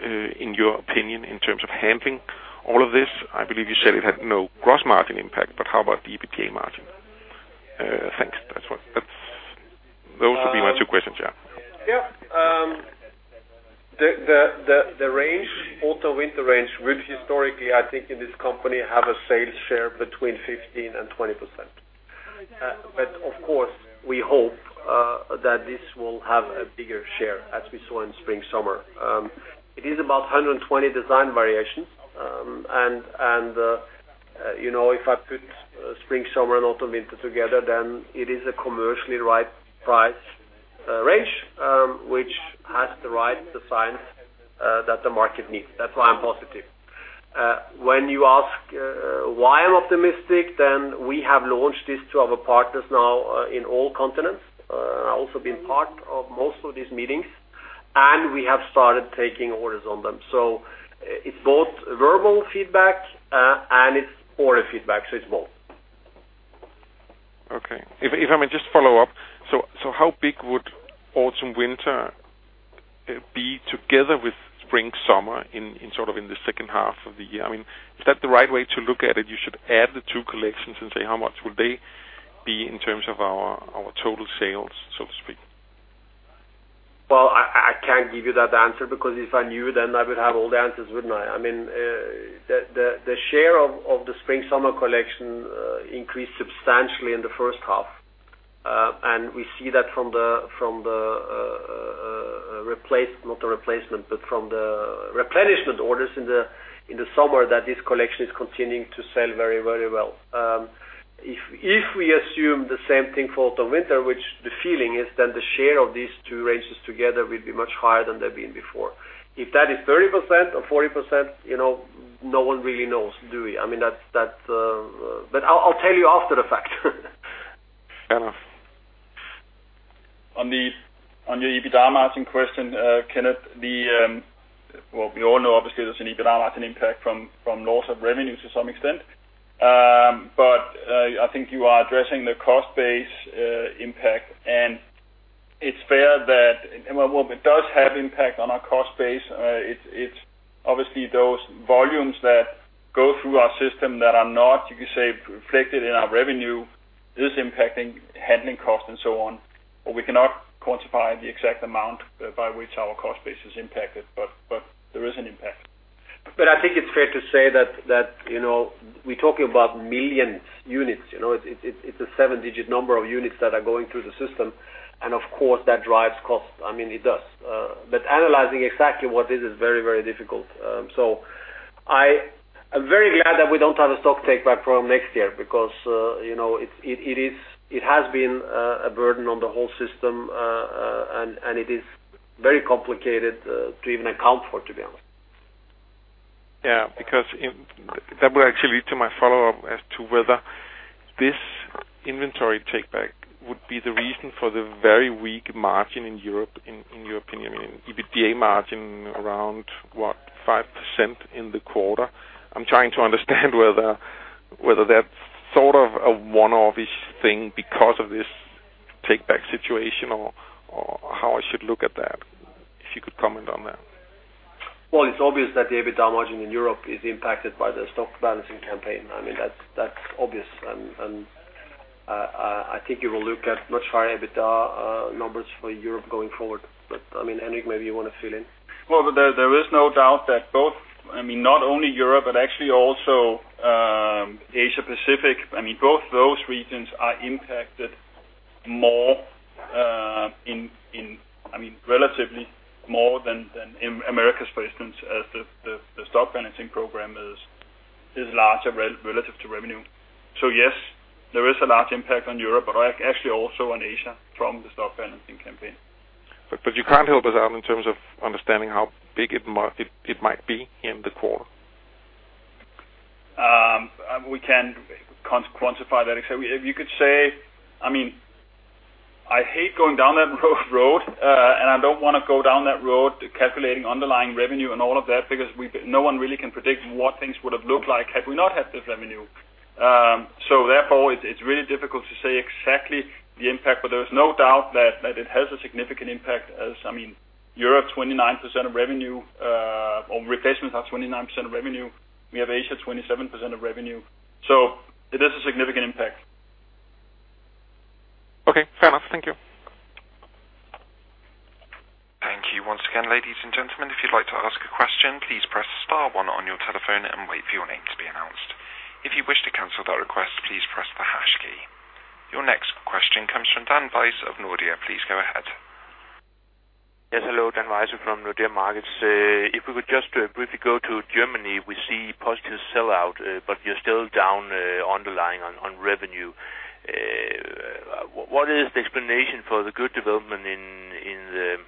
in your opinion, in terms of handling all of this? I believe you said it had no gross margin impact, but how about the EBITDA margin? Thanks. Those would be my two questions, yeah. Yeah. The range, Autumn/Winter range, which historically, I think in this company, have a sales share between 15% and 20%. But of course, we hope that this will have a bigger share, as we saw in Spring/Summer. It is about 120 design variations. And, you know, if I put Spring/Summer and Autumn/Winter together, then it is a commercially right price range, which has the right designs that the market needs. That's why I'm positive. When you ask why I'm optimistic, then we have launched this to our partners now in all continents, also been part of most of these meetings, and we have started taking orders on them. So it's both verbal feedback, and it's order feedback, so it's both. Okay, if I may just follow up. So, how big would Autumn/Winter be together with Spring/Summer in sort of the second half of the year? I mean, is that the right way to look at it? You should add the two collections and say, how much would they be in terms of our total sales, so to speak? Well, I can't give you that answer, because if I knew, then I would have all the answers, wouldn't I? I mean, the share of the Spring/Summer Collection increased substantially in the first half. And we see that from the replenishment orders in the Summer, that this Collection is continuing to sell very, very well. If we assume the same thing for Autumn/Winter, which the feeling is that the share of these two ranges together will be much higher than they've been before. If that is 30% or 40%, you know, no one really knows, do we? I mean, that's but I'll tell you after the fact. Fair enough. On your EBITDA margin question, Kenneth, well, we all know obviously there's an EBITDA margin impact from loss of revenue to some extent. But I think you are addressing the cost base impact, and it's fair that, well, it does have impact on our cost base. It's obviously those volumes that go through our system that are not, you could say, reflected in our revenue, is impacting handling costs and so on. But we cannot quantify the exact amount by which our cost base is impacted, but there is an impact. But I think it's fair to say that you know, we're talking about millions units, you know, it's a seven-digit number of units that are going through the system, and of course, that drives costs. I mean, it does. But analyzing exactly what it is is very, very difficult. So I'm very glad that we don't have a stock take back problem next year because you know, it is, it has been a burden on the whole system, and it is very complicated to even account for, to be honest. Yeah, because that will actually lead to my follow-up as to whether this inventory take back would be the reason for the very weak margin in Europe, in your opinion, EBITDA margin around, what, 5% in the quarter? I'm trying to understand whether that's sort of a one-off-ish thing because of this take back situation, or how I should look at that, if you could comment on that. Well, it's obvious that the EBITDA margin in Europe is impacted by the Stock Balancing Campaign. I mean, that's obvious. And I think you will look at much higher EBITDA numbers for Europe going forward. But, I mean, Henrik, maybe you want to fill in? Well, there is no doubt that both, I mean, not only Europe, but actually also Asia Pacific, I mean, both those regions are impacted more, in, I mean, relatively more than Americas, for instance, as the stock balancing program is larger relative to revenue. So yes, there is a large impact on Europe, but actually also on Asia from the Stock Balancing Campaign. But you can't help us out in terms of understanding how big it might be in the quarter? We can't quantify that. So you could say, I mean, I hate going down that road, and I don't want to go down that road, calculating underlying revenue and all of that, because no one really can predict what things would have looked like, had we not had this revenue. So therefore, it's really difficult to say exactly the impact, but there is no doubt that it has a significant impact, as I mean, Europe, 29% of revenue, or replacements are 29% of revenue. We have Asia, 27% of revenue, so it is a significant impact. Okay, fair enough. Thank you. Thank you once again, ladies and gentlemen. If you'd like to ask a question, please press star one on your telephone and wait for your name to be announced. If you wish to cancel that request, please press the hash key. Your next question comes from Dan Wejse of Nordea. Please go ahead. Yes, hello, Dan Wejse from Nordea Markets. If we could just briefly go to Germany, we see positive sell-out, but you're still down, underlying on revenue. What is the explanation for the good development in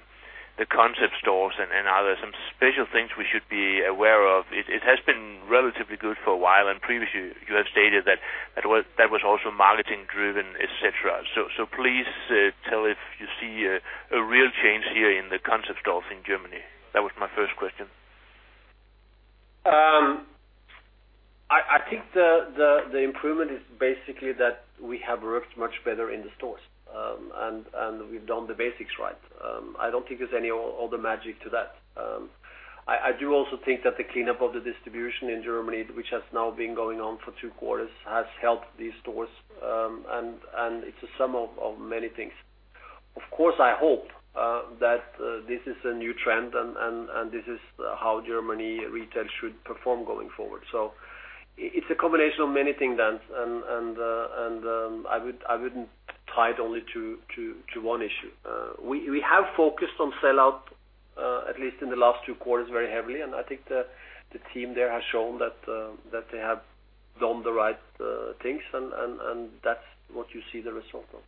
the concept stores and are there some special things we should be aware of? It has been relatively good for a while, and previously you have stated that that was also marketing driven, et cetera. So please tell if you see a real change here in the concept stores in Germany. That was my first question. I think the improvement is basically that we have worked much better in the stores, and we've done the basics right. I don't think there's any other magic to that. I do also think that the cleanup of the distribution in Germany, which has now been going on for 2 quarters, has helped these stores, and it's a sum of many things. Of course, I hope that this is a new trend and this is how Germany retail should perform going forward. So it's a combination of many things, Dan, and I wouldn't tie it only to one issue. We have focused on sellout, at least in the last two quarters, very heavily, and I think the team there has shown that they have done the right things, and that's what you see the result of.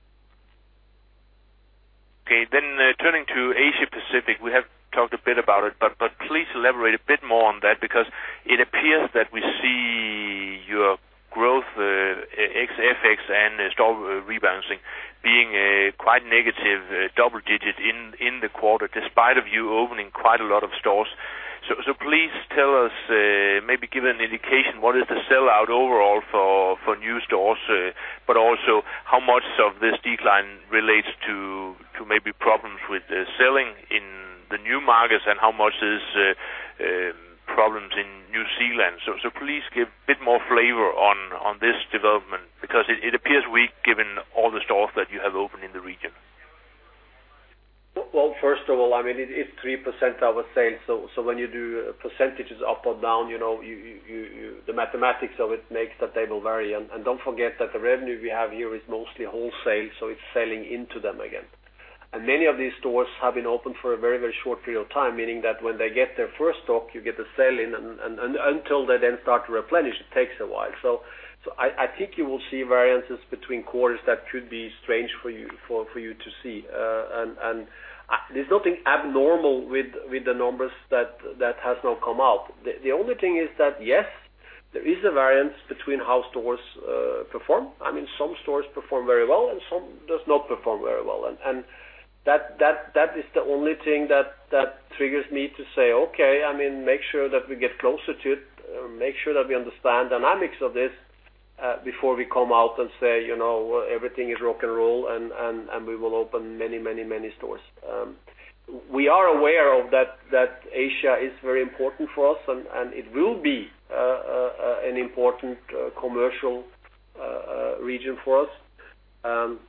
Okay. Then turning to Asia Pacific, we have talked a bit about it, but please elaborate a bit more on that, because it appears that we see your growth ex FX and store rebalancing being a quite negative double digit in the quarter, despite of you opening quite a lot of stores. So please tell us, maybe give an indication, what is the sell-out overall for new stores, but also how much of this decline relates to maybe problems with the selling in the new markets, and how much is problems in New Zealand? So please give a bit more flavor on this development, because it appears weak, given all the stores that you have opened in the region. Well, first of all, I mean, it is 3% of our sales. So when you do percentages up or down, you know, the mathematics of it makes the table vary. And don't forget that the revenue we have here is mostly wholesale, so it's selling into them again. And many of these stores have been open for a very, very short period of time, meaning that when they get their first stock, you get the sell-in, and until they then start to replenish, it takes a while. So I think you will see variances between quarters that could be strange for you to see. And there's nothing abnormal with the numbers that has now come out. The only thing is that, yes, there is a variance between how stores perform. I mean, some stores perform very well, and some does not perform very well. And that is the only thing that triggers me to say, okay, I mean, make sure that we get closer to it. Make sure that we understand the dynamics of this before we come out and say, you know, everything is rock and roll, and we will open many, many, many stores. We are aware of that Asia is very important for us, and it will be an important commercial region for us.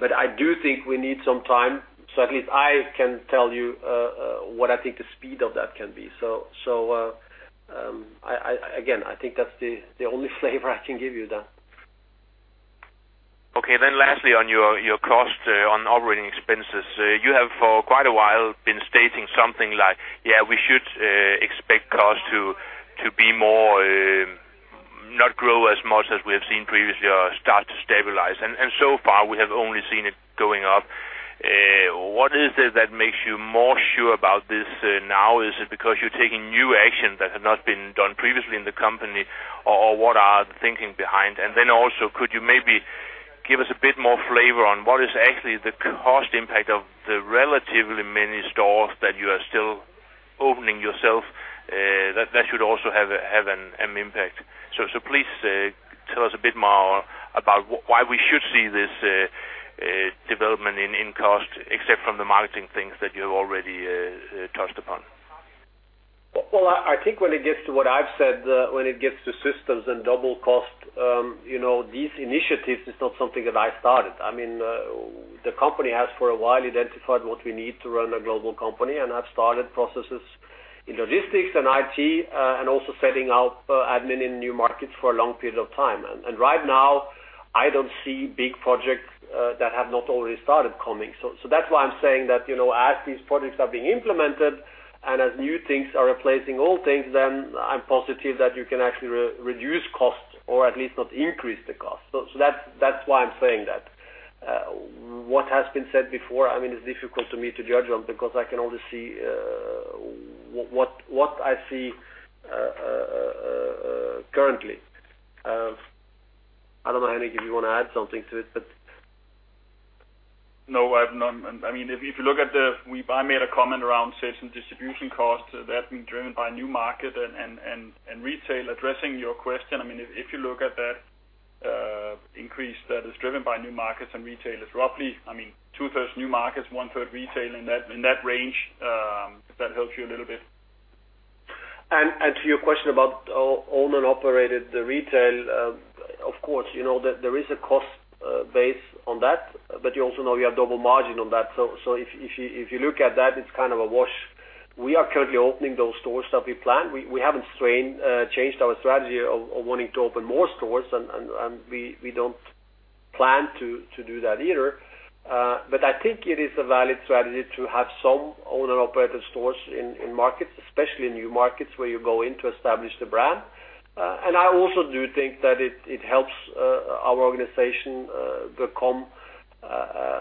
But I do think we need some time, so at least I can tell you what I think the speed of that can be. So, I again, I think that's the only flavor I can give you then. Okay. Then lastly, on your cost on operating expenses. You have for quite a while been stating something like, "Yeah, we should expect costs to be more not grow as much as we have seen previously, or start to stabilize." And so far, we have only seen it going up. What is it that makes you more sure about this now? Is it because you're taking new actions that have not been done previously in the company, or what are the thinking behind? And then also, could you maybe give us a bit more flavor on what is actually the cost impact of the relatively many stores that you are still opening yourself? That should also have an impact. Please, tell us a bit more about why we should see this development in cost, except from the marketing things that you have already touched upon. Well, I think when it gets to what I've said, when it gets to systems and double cost, you know, these initiatives is not something that I started. I mean, the company has for a while identified what we need to run a global company, and I've started processes in logistics and IT, and also setting out admin in new markets for a long period of time. And right now, I don't see big projects that have not already started coming. So that's why I'm saying that, you know, as these projects are being implemented and as new things are replacing old things, then I'm positive that you can actually reduce costs or at least not increase the cost. So that's why I'm saying that. What has been said before, I mean, it's difficult to me to judge on, because I can only see what I see currently. I don't know, Henrik, if you want to add something to it, but- No, I've none. I mean, if you look at the I made a comment around sales and distribution costs. That's been driven by new market and retail. Addressing your question, I mean, if you look at that increase that is driven by new markets and retailers, roughly, I mean, two-thirds new markets, one-third retail, in that range, if that helps you a little bit. To your question about owned and operated retail, of course, you know that there is a cost base on that, but you also know you have double margin on that. So, if you look at that, it's kind of a wash. We are currently opening those stores that we planned. We haven't changed our strategy of wanting to open more stores, and we don't plan to do that either. But I think it is a valid strategy to have some owned and operated stores in markets, especially in new markets, where you go in to establish the brand. And I also do think that it helps our organization become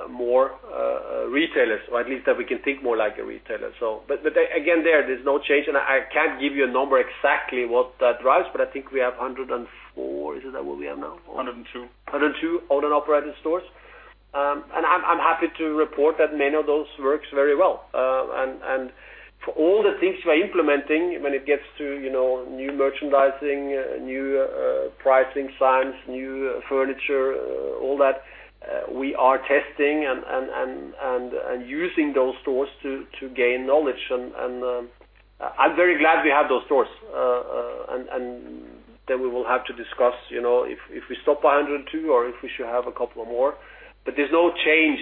more like retailers, or at least that we can think more like a retailer. But again, there's no change, and I can't give you a number exactly what that drives, but I think we have 104. Is that what we have now? 102. 102 owned and operated stores. And I'm happy to report that many of those work very well. And for all the things we are implementing, when it gets to, you know, new merchandising, new pricing signs, new furniture, all that, we are testing and using those stores to gain knowledge. And I'm very glad we have those stores. And then we will have to discuss, you know, if we stop by 102 or if we should have a couple more, but there's no change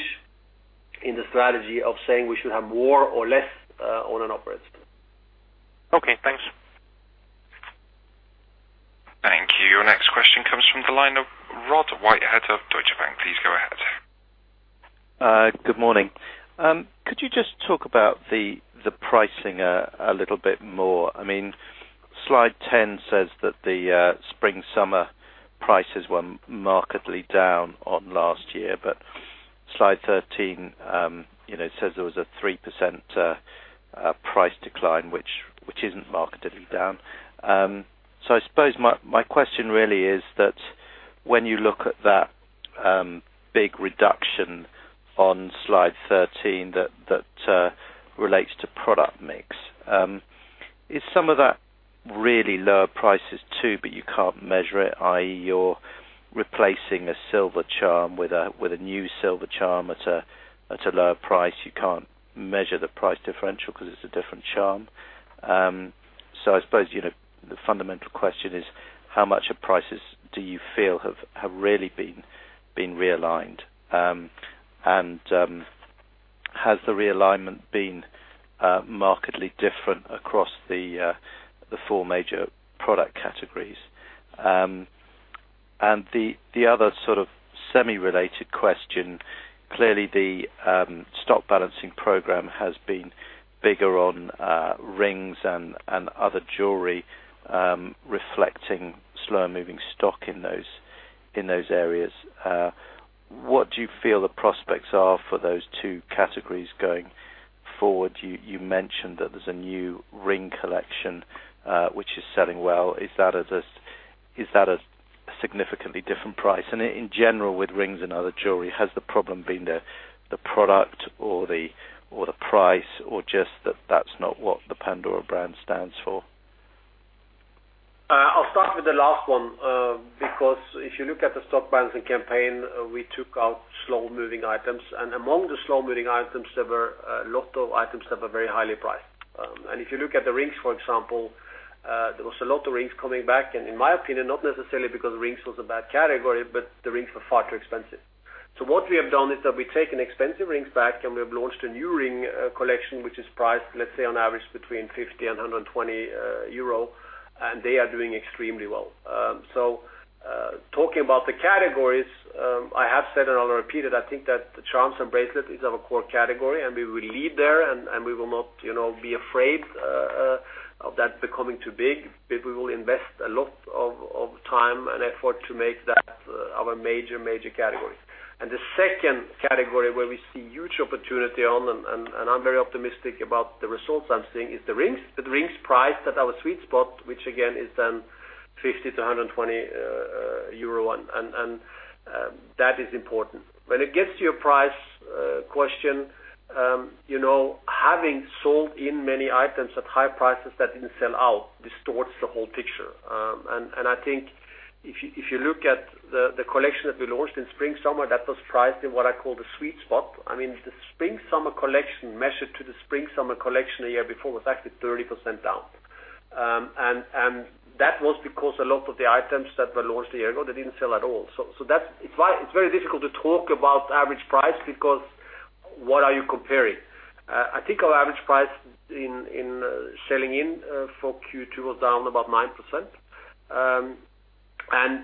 in the strategy of saying we should have more or less owned and operated. Okay, thanks. Thank you. Our next question comes from the line of Rod Whitehead of Deutsche Bank. Please go ahead. Good morning. Could you just talk about the pricing a little bit more? I mean, slide 10 says that the Spring/Summer prices were markedly down on last year, but slide 13, you know, it says there was a 3% price decline, which isn't markedly down. So I suppose my question really is that when you look at that big reduction on slide 13 that relates to product mix. Is some of that really lower prices too, but you can't measure it, i.e., you're replacing a silver charm with a new silver charm at a lower price? You can't measure the price differential because it's a different charm. So I suppose, you know, the fundamental question is, how much of prices do you feel have really been realigned? And has the realignment been markedly different across the four major product categories? And the other sort of semi-related question, clearly the stock balancing program has been bigger on rings and other jewelry, reflecting slower moving stock in those areas. What do you feel the prospects are for those two categories going forward? You mentioned that there's a new ring collection, which is selling well. Is that at a significantly different price? And in general, with rings and other jewelry, has the problem been the product or the price, or just that that's not what the Pandora brand stands for? I'll start with the last one, because if you look at the Stock Balancing Campaign, we took out slow-moving items, and among the slow-moving items, there were a lot of items that were very highly priced. And if you look at the rings, for example, there was a lot of rings coming back, and in my opinion, not necessarily because rings was a bad category, but the rings were far too expensive. So what we have done is that we've taken expensive rings back, and we have launched a new ring collection, which is priced, let's say, on average, between 50-120 euro, and they are doing extremely well. So, talking about the categories, I have said and I'll repeat it, I think that the charms and bracelets is our core category, and we will lead there, and we will not, you know, be afraid of that becoming too big, but we will invest a lot of time and effort to make that our major, major categories. And the second category where we see huge opportunity on, I'm very optimistic about the results I'm seeing, is the rings. The rings priced at our sweet spot, which again, is then 50-120 euro, that is important. When it gets to your price question, you know, having sold in many items at high prices that didn't sell out distorts the whole picture. I think if you look at the Collection that we launched in Spring/Summer, that was priced in what I call the sweet spot. I mean, the Spring/Summer Collection, measured to the Spring/Summer Collection a year before, was actually 30% down. And that was because a lot of the items that were launched a year ago, they didn't sell at all. So that's it's why it's very difficult to talk about average price, because what are you comparing? I think our average price in selling in for Q2 was down about 9%. And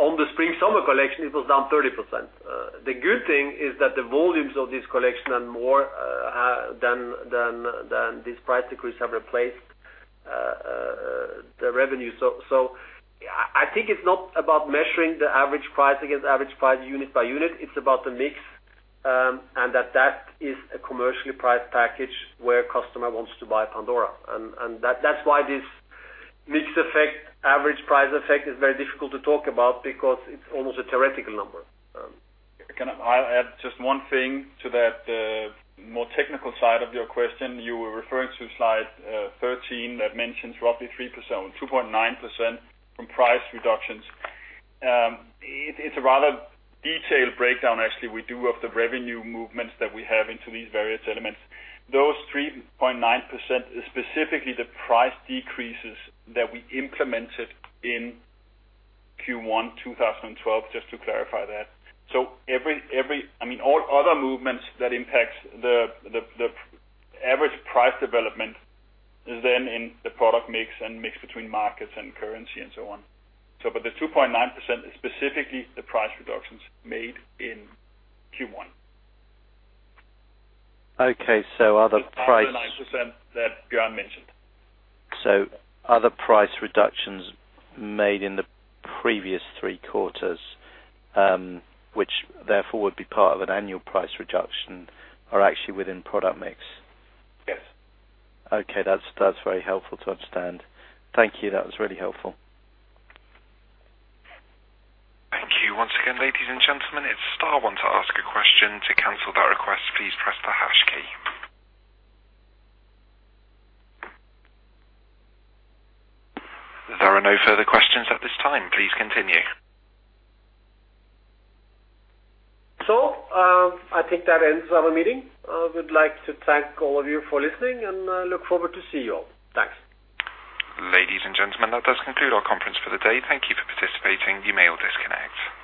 on the Spring/Summer Collection, it was down 30%. The good thing is that the volumes of this Collection are more than this price decrease have replaced the revenue. So, I think it's not about measuring the average price against average price, unit by unit, it's about the mix, and that is a commercially priced package where customer wants to buy Pandora. That's why this mix effect, average price effect, is very difficult to talk about because it's almost a theoretical number. Can I add just one thing to that, more technical side of your question? You were referring to slide 13, that mentions roughly 3%, 2.9% from price reductions. It's a rather detailed breakdown, actually, we do of the revenue movements that we have into these various elements. Those 2.9% is specifically the price decreases that we implemented in Q1 2012, just to clarify that. So every, I mean, all other movements that impacts the average price development is then in the product mix and mix between markets and currency and so on. So, but the 2.9% is specifically the price reductions made in Q1. Okay, so are the price- The 2.9% that Bjørn mentioned. Are the price reductions made in the previous three quarters, which therefore would be part of an annual price reduction, actually within product mix? Yes. Okay, that's, that's very helpful to understand. Thank you. That was really helpful. Thank you. Once again, ladies and gentlemen, it's star one to ask a question. To cancel that request, please press the hash key. There are no further questions at this time. Please continue. So, I think that ends our meeting. I would like to thank all of you for listening, and look forward to see you all. Thanks. Ladies and gentlemen, that does conclude our conference for the day. Thank you for participating. You may all disconnect.